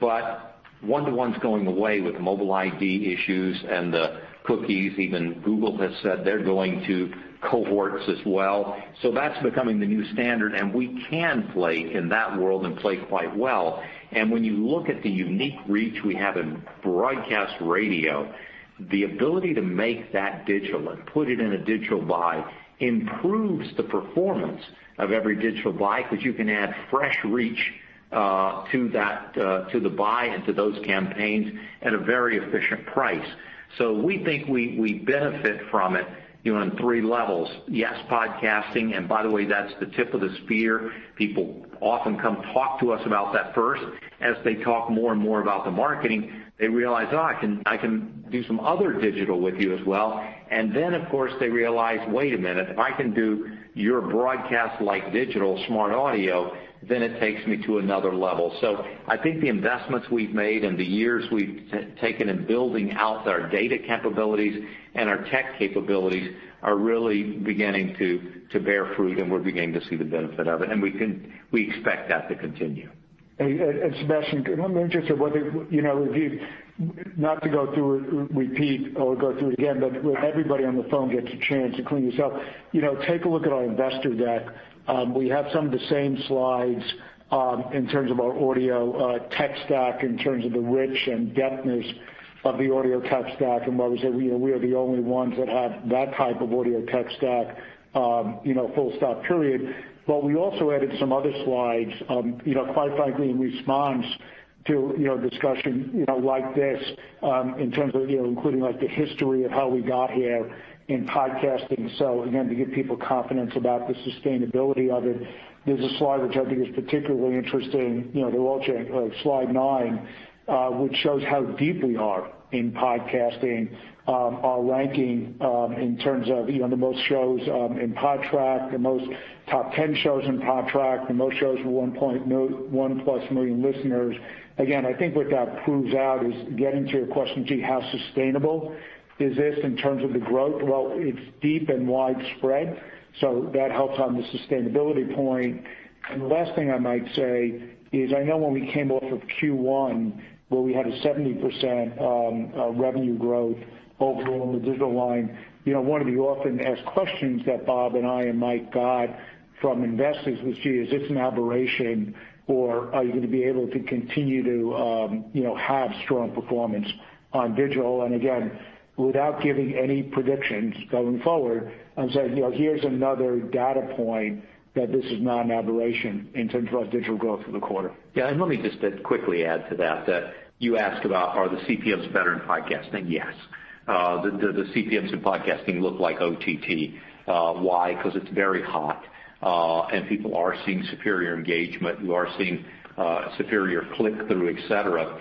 One-to-one's going away with mobile ID issues and the cookies. Even Google has said they're going to cohorts as well. That's becoming the new standard, and we can play in that world and play quite well. When you look at the unique reach we have in broadcast radio, the ability to make that digital and put it in a digital buy improves the performance of every digital buy, because you can add fresh reach to the buy and to those campaigns at a very efficient price. We think we benefit from it on three levels. Yes, podcasting, and by the way, that's the tip of the spear. People often come talk to us about that first. As they talk more and more about the marketing, they realize, oh, I can do some other digital with you as well. Of course, they realize, wait a minute, if I can do your broadcast-like digital SmartAudio, it takes me to another level. I think the investments we've made and the years we've taken in building out our data capabilities and our tech capabilities are really beginning to bear fruit, and we're beginning to see the benefit of it, and we expect that to continue. Sebastiano, I'm interested whether, not to go through it, repeat or go through it again, but everybody on the phone gets a chance to clean yourself. Take a look at our investor deck. We have some of the same slides in terms of our audio tech stack, in terms of the reach and depthness of the audio tech stack, and where we said we are the only ones that have that type of audio tech stack, full stop, period. We also added some other slides, quite frankly, in response to discussion like this, in terms of including the history of how we got here in podcasting. Again, to give people confidence about the sustainability of it. There's a slide which I think is particularly interesting, slide nine, which shows how deep we are in podcasting. Our ranking in terms of the most shows in Podtrac, the most top 10 shows in Podtrac, the most shows with 1-plus million listeners. Again, I think what that proves out is getting to your question, Gee, how sustainable is this in terms of the growth? Well, it's deep and widespread, so that helps on the sustainability point. The last thing I might say is, I know when we came off of Q1, where we had a 70% revenue growth overall in the digital line. One of the often asked questions that Bob and I and Mike got from investors was, Gee, is this an aberration or are you going to be able to continue to have strong performance on digital? Again, without giving any predictions going forward, I'm saying, here's another data point that this is not an aberration in terms of our digital growth for the quarter. Let me just quickly add to that you asked about are the CPMs better in podcasting? Yes. The CPMs in podcasting look like OTT. Why? Because it's very hot. People are seeing superior engagement, you are seeing superior click-through, et cetera.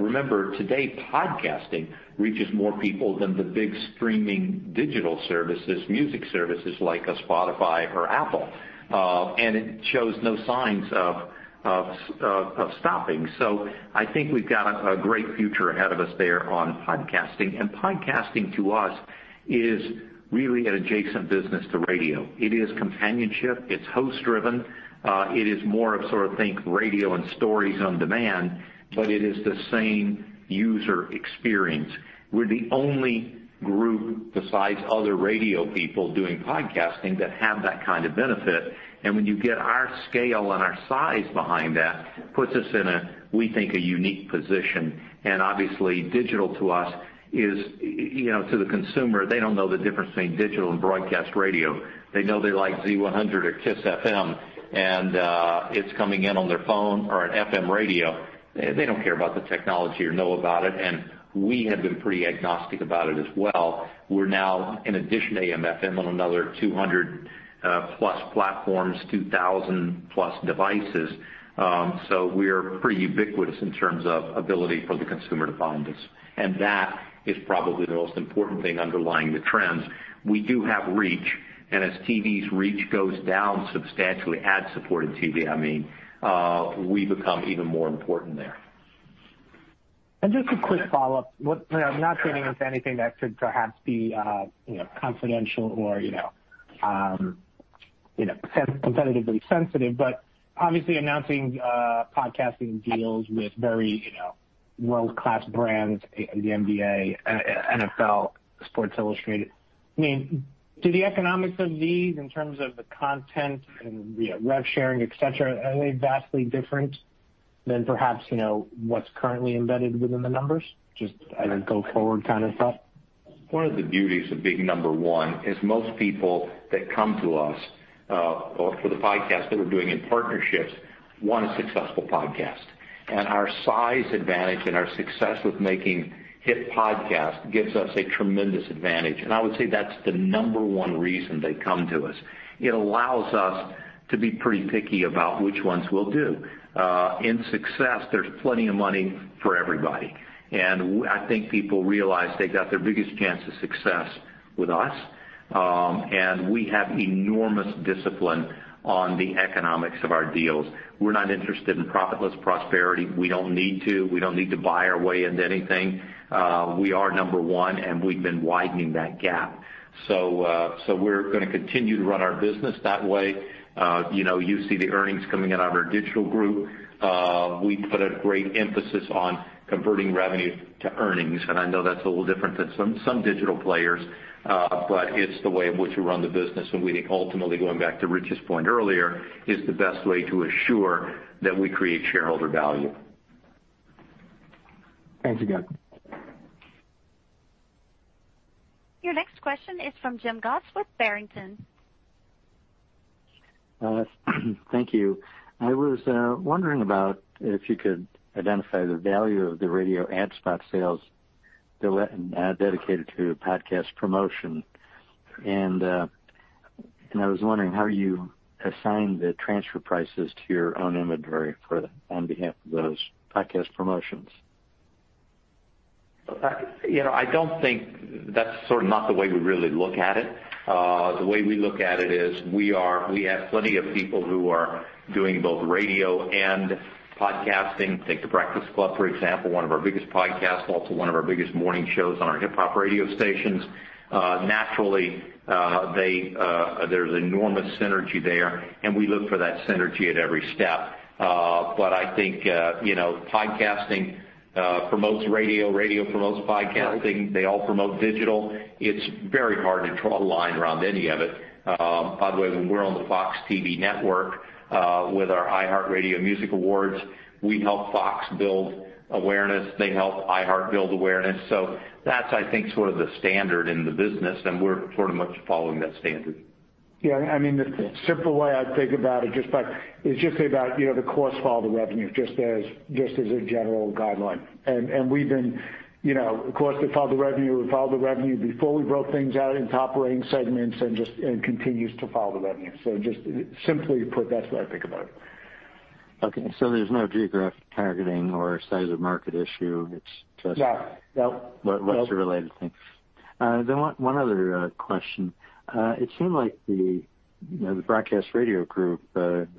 Remember, today, podcasting reaches more people than the big streaming digital services, music services like a Spotify or Apple. It shows no signs of stopping. I think we've got a great future ahead of us there on podcasting. Podcasting, to us, is really an adjacent business to radio. It is companionship. It's host driven. It is more of, think radio and stories on demand, but it is the same user experience. We're the only group besides other radio people doing podcasting that have that kind of benefit. When you get our scale and our size behind that, puts us in a, we think, a unique position. Obviously, digital to us is, to the consumer, they don't know the difference between digital and broadcast radio. They know they like Z100 or KISS FM, and it's coming in on their phone or an FM radio. They don't care about the technology or know about it, and we have been pretty agnostic about it as well. We're now, in addition to AM/FM, on another 200+ platforms, 2,000+ devices. We're pretty ubiquitous in terms of ability for the consumer to find us. That is probably the most important thing underlying the trends. We do have reach, and as TV's reach goes down substantially, ad-supported TV, I mean, we become even more important there. Just a quick follow-up. I'm not getting into anything that could perhaps be confidential or competitively sensitive. Obviously announcing podcasting deals with very world-class brands, the NBA, NFL, Sports Illustrated. Do the economics of these, in terms of the content and rev sharing, et cetera, are they vastly different than perhaps what's currently embedded within the numbers? Just as a go forward kind of thought. One of the beauties of being number one is most people that come to us, or for the podcast that we're doing in partnerships, want a successful podcast. Our size advantage and our success with making hit podcasts gives us a tremendous advantage, and I would say that's the number 1 reason they come to us. It allows us to be pretty picky about which ones we'll do. In success, there's plenty of money for everybody, and I think people realize they got their biggest chance of success with us. We have enormous discipline on the economics of our deals. We're not interested in profitless prosperity. We don't need to. We don't need to buy our way into anything. We are number one, and we've been widening that gap. We're going to continue to run our business that way. You see the earnings coming in out of our Digital Audio Group. We put a great emphasis on converting revenue to earnings, and I know that's a little different than some digital players. It's the way in which we run the business, and we think ultimately, going back to Rich Bressler's point earlier, is the best way to assure that we create shareholder value. Thanks again. Your next question is from Jim Goss with Barrington. Thank you. I was wondering about if you could identify the value of the radio ad spot sales dedicated to podcast promotion. I was wondering how you assign the transfer prices to your own inventory on behalf of those podcast promotions. That's sort of not the way we really look at it. The way we look at it is we have plenty of people who are doing both radio and podcasting. Take The Breakfast Club, for example, one of our biggest podcasts, also one of our biggest morning shows on our hip hop radio stations. Naturally, there's enormous synergy there, and we look for that synergy at every step. I think podcasting promotes radio promotes podcasting. They all promote digital. It's very hard to draw a line around any of it. By the way, when we're on the Fox TV network with our iHeartRadio Music Awards, we help Fox build awareness. They help iHeart build awareness. That's, I think, sort of the standard in the business, and we're sort of much following that standard. Yeah. The simple way I think about it is just about the costs follow the revenue, just as a general guideline. Costs that follow the revenue would follow the revenue before we broke things out in top line segments and continues to follow the revenue. Just simply put, that's the way I think about it. Okay, there's no geographic targeting or size of market issue? No Much a related thing. One other question. It seemed like the broadcast radio group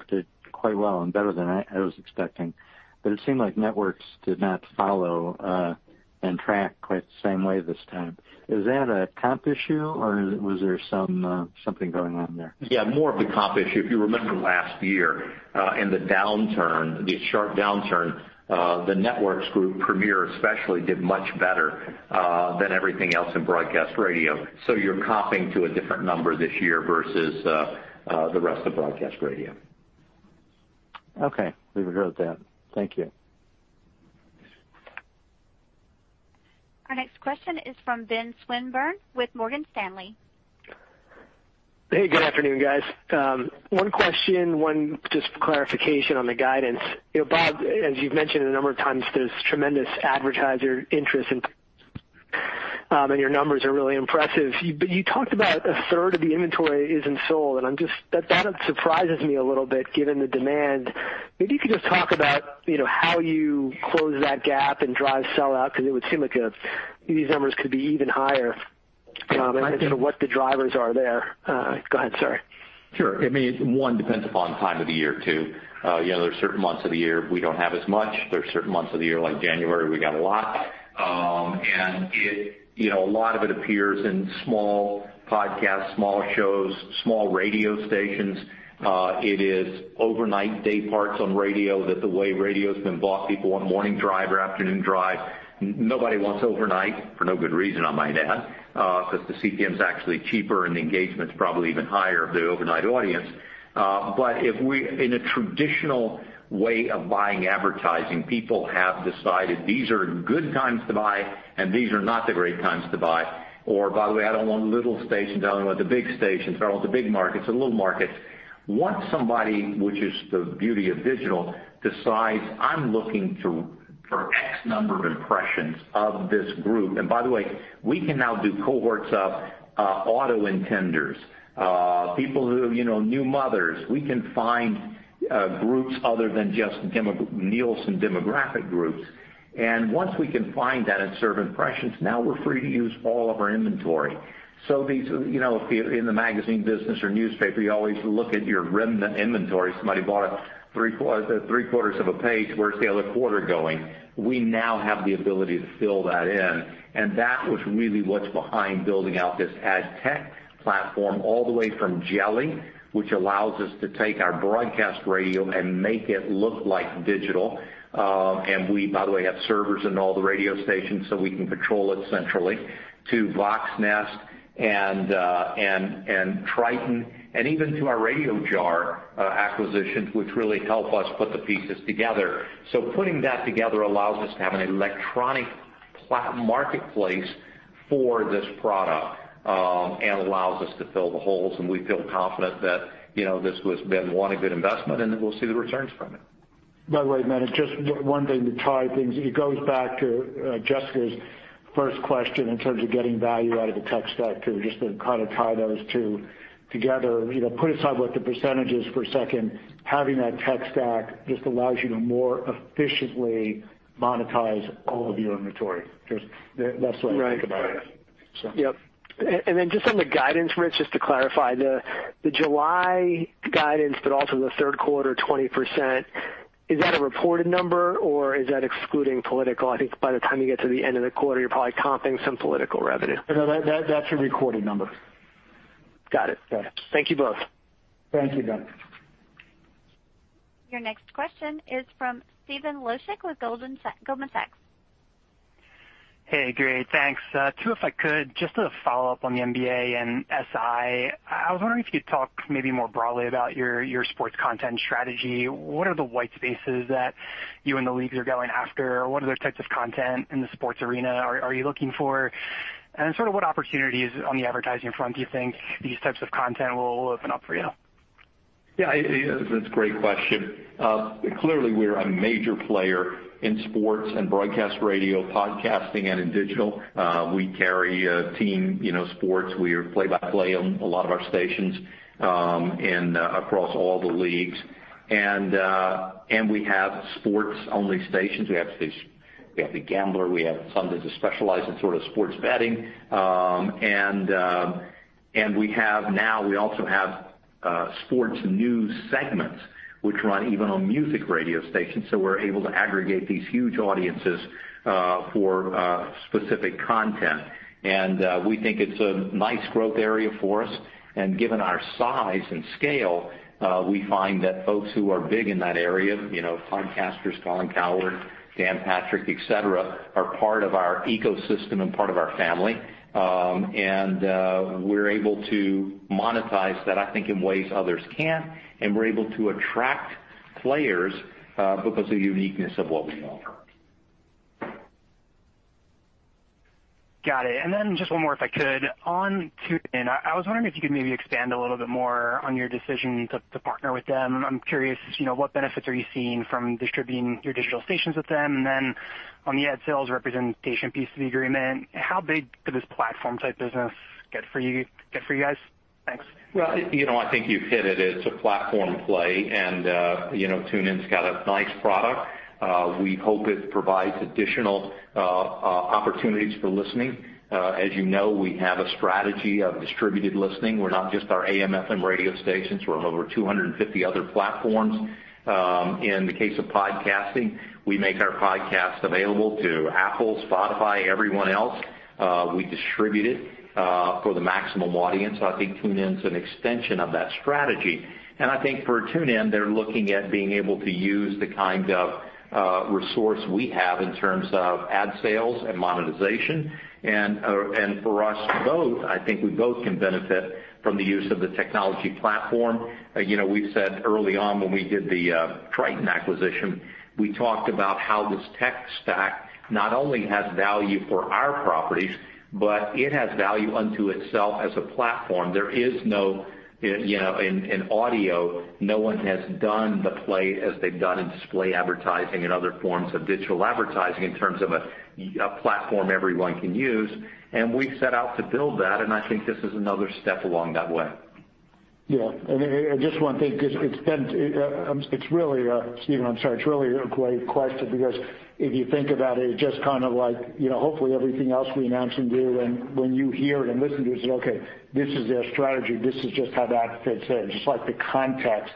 did quite well, and better than I was expecting, but it seemed like networks did not follow and track quite the same way this time. Is that a comp issue, or was there something going on there? Yeah, more of the comp issue. If you remember last year, in the sharp downturn, the Networks group, Premiere Networks especially, did much better than everything else in broadcast radio. You're comping to a different number this year versus the rest of broadcast radio. Okay. Leave it with that. Thank you. Our next question is from Ben Swinburne with Morgan Stanley. Hey, good afternoon guys? One question, just for clarification on the guidance. Bob, as you've mentioned a number of times, there's tremendous advertiser interest in, and your numbers are really impressive. You talked about a third of the inventory isn't sold, and that surprises me a little bit given the demand. Maybe you could just talk about how you close that gap and drive sellout, because it would seem like these numbers could be even higher. I think- Sort of what the drivers are there? Go ahead, sorry. Sure. Depends upon the time of the year, too. There's certain months of the year we don't have as much. There's certain months of the year, like January, we got a lot. A lot of it appears in small podcasts, small shows, small radio stations. It is overnight dayparts on radio, that the way radio's been bought, people want morning drive or afternoon drive. Nobody wants overnight, for no good reason, I might add, because the CPM is actually cheaper and the engagement's probably even higher of the overnight audience. In a traditional way of buying advertising, people have decided these are good times to buy and these are not the great times to buy. By the way, I don't want little stations, I only want the big stations, or I want the big markets or little markets. Once somebody, which is the beauty of digital, decides, I'm looking for X number of impressions of this group. By the way, we can now do cohorts of auto intenders, new mothers. We can find groups other than just Nielsen demographic groups. Once we can find that and serve impressions, now we're free to use all of our inventory. In the magazine business or newspaper, you always look at your remnant inventory. Somebody bought three-quarters of a page, where's the other quarter going? We now have the ability to fill that in, and that was really what's behind building out this ad tech platform all the way from Jelli, which allows us to take our broadcast radio and make it look like digital. We, by the way, have servers in all the radio stations, so we can control it centrally to Voxnest and Triton, and even to our Radiojar acquisitions, which really help us put the pieces together. Putting that together allows us to have an electronic platform marketplace for this product and allows us to fill the holes, and we feel confident that this has been one, a good investment, and that we'll see the returns from it. By the way, man, it's just one thing to try things. It goes back to Jessica's first question in terms of getting value out of the tech stack, too, just to kind of tie those two together. Put aside what the percentage is for a second. Having that tech stack just allows you to more efficiently monetize all of your inventory. That's the way I think about it. Right. Yep. Then just on the guidance, Rich, just to clarify, the July guidance, but also the third quarter, 20%, is that a reported number or is that excluding political? I think by the time you get to the end of the quarter, you're probably comping some political revenue. No, that's a recorded number. Got it. Thank you both. Thank you, Ben. Your next question is from Stephen Laszczyk with Goldman Sachs. Hey, great. Thanks. Two, if I could, just a follow-up on the NBA and SI. I was wondering if you'd talk maybe more broadly about your sports content strategy. What are the white spaces that you and the leagues are going after? What other types of content in the sports arena are you looking for? What opportunities on the advertising front do you think these types of content will open up for you? Yeah. That's a great question. Clearly, we're a major player in sports and broadcast radio, podcasting, and in digital. We carry team sports. We are play-by-play on a lot of our stations and across all the leagues. We have sports-only stations. We have The Gambler. We have some that just specialize in sports betting. Now, we also have Sports News segments, which run even on music radio stations, so we're able to aggregate these huge audiences for specific content. We think it's a nice growth area for us. Given our size and scale, we find that folks who are big in that area, Todd Castor, Colin Cowherd, Dan Patrick, et cetera, are part of our ecosystem and part of our family. We're able to monetize that, I think, in ways others can't, and we're able to attract players because of the uniqueness of what we offer. Got it. Then just one more, if I could. On TuneIn, I was wondering if you could maybe expand a little bit more on your decision to partner with them. I'm curious, what benefits are you seeing from distributing your digital stations with them? Then on the ad sales representation piece of the agreement, how big could this platform type business get for you guys? Thanks. Well, I think you've hit it. It's a platform play, and TuneIn's got a nice product. We hope it provides additional opportunities for listening. As you know, we have a strategy of distributed listening. We're not just our AM/FM radio stations. We're on over 250 other platforms. In the case of podcasting, we make our podcasts available to Apple, Spotify, everyone else. We distribute it for the maximum audience. I think TuneIn's an extension of that strategy. I think for TuneIn, they're looking at being able to use the kind of resource we have in terms of ad sales and monetization. For us both, I think we both can benefit from the use of the technology platform. We said early on when we did the Triton acquisition, we talked about how this tech stack not only has value for our properties, but it has value unto itself as a platform. In audio, no one has done the play as they've done in display advertising and other forms of digital advertising in terms of a platform everyone can use. We've set out to build that, and I think this is another step along that way. Yeah. Just one thing, Stephen, I'm sorry, it's really a great question because if you think about it's just kind of like hopefully everything else we announce and do, and when you hear it and listeners say, okay, this is their strategy. This is just how that fits in. Just like the context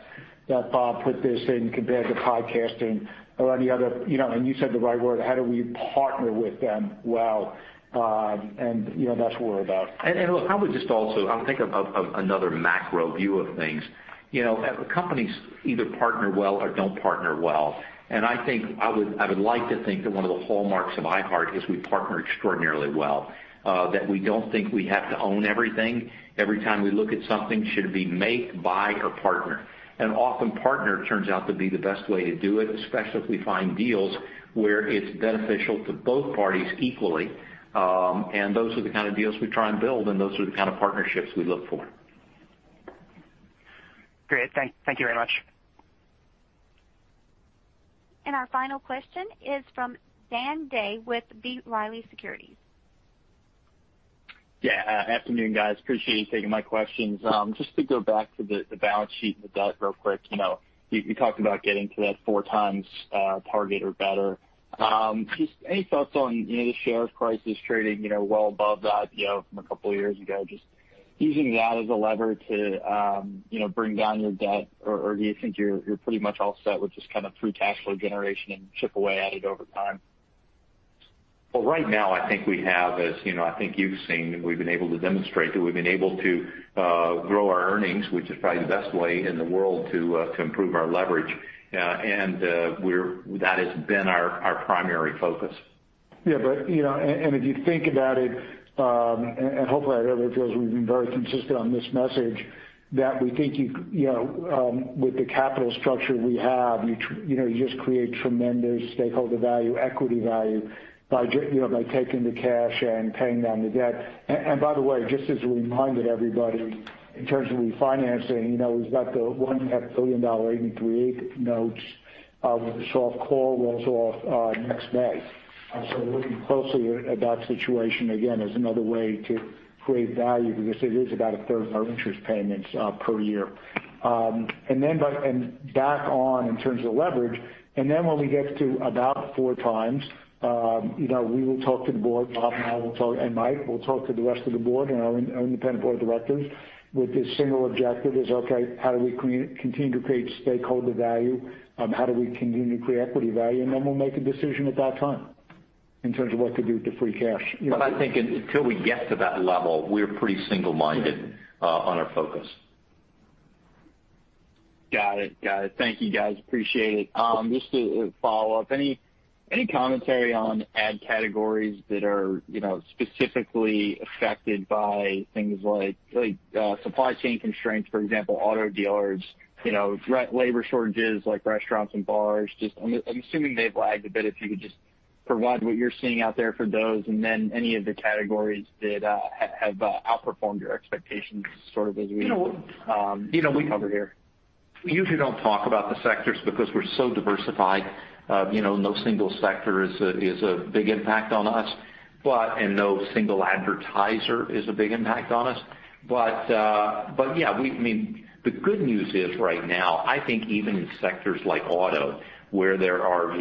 that Bob put this in compared to podcasting or any other, and you said the right word, how do we partner with them well? That's what we're about. Look, I'll think of another macro view of things. Companies either partner well or don't partner well. I would like to think that one of the hallmarks of iHeart is we partner extraordinarily well, that we don't think we have to own everything. Every time we look at something, should it be make, buy or partner? Often partner turns out to be the best way to do it, especially if we find deals where it's beneficial to both parties equally. Those are the kind of deals we try and build, and those are the kind of partnerships we look for. Great. Thank you very much. Our final question is from Dan Day with B. Riley Securities. Yeah. Afternoon guys? Appreciate you taking my questions. Just to go back to the balance sheet and the debt real quick. You talked about getting to that 4x target or better. Just any thoughts on the share price is trading well above that from two years ago, just using that as a lever to bring down your debt or do you think you're pretty much all set with just kind of through cash flow generation and chip away at it over time? Well, right now, I think we have, as I think you've seen, we've been able to demonstrate that we've been able to grow our earnings, which is probably the best way in the world to improve our leverage. That has been our primary focus. Yeah. If you think about it, hopefully I know everybody feels we've been very consistent on this message, that we think with the capital structure we have, you just create tremendous stakeholder value, equity value by taking the cash and paying down the debt. By the way, just as a reminder to everybody, in terms of refinancing, we've got the [$1.838 billion] notes of soft call rolls off next May. Looking closely at that situation, again, is another way to create value because it is about a third of our interest payments per year. Back on in terms of leverage. When we get to about four times, we will talk to the board. Bob and I will talk, and Mike, we'll talk to the rest of the board and our independent board of directors with the single objective is, okay, how do we continue to create stakeholder value? How do we continue to create equity value? Then we'll make a decision at that time in terms of what to do with the free cash. I think until we get to that level, we're pretty single-minded on our focus. Got it. Thank you, guys. Appreciate it. Just to follow up, any commentary on ad categories that are specifically affected by things like supply chain constraints, for example, auto dealers, labor shortages like restaurants and bars? I'm assuming they've lagged a bit. If you could just provide what you're seeing out there for those, and then any of the categories that have outperformed your expectations sort of as we cover here. We usually don't talk about the sectors because we're so diversified. No single sector is a big impact on us, and no single advertiser is a big impact on us. Yeah, the good news is right now, I think even in sectors like auto, where there are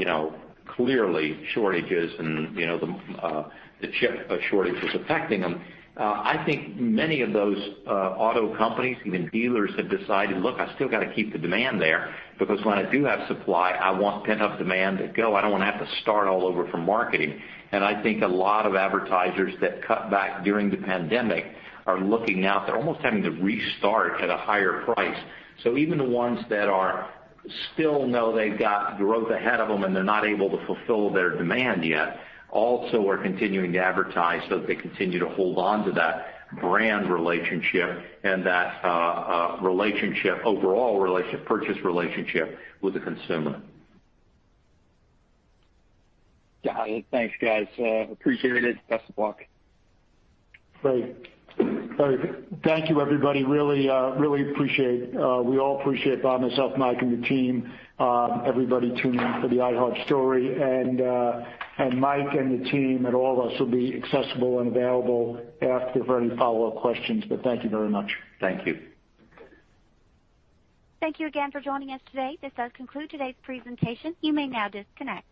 clearly shortages and the chip shortage is affecting them, I think many of those auto companies, even dealers, have decided, look, I still got to keep the demand there, because when I do have supply, I want pent-up demand to go. I don't want to have to start all over from marketing. I think a lot of advertisers that cut back during the pandemic are looking now. They're almost having to restart at a higher price. Even the ones that still know they've got growth ahead of them and they're not able to fulfill their demand yet, also are continuing to advertise so that they continue to hold on to that brand relationship and that overall purchase relationship with the consumer. Got it. Thanks, guys. Appreciate it. Best of luck. Great. Thank you, everybody. Really appreciate, we all appreciate, Bob, myself, Mike, and the team, everybody tuning in for the iHeart story. Mike and the team and all of us will be accessible and available after for any follow-up questions. Thank you very much. Thank you. Thank you again for joining us today. This does conclude today's presentation, you may now disconnect.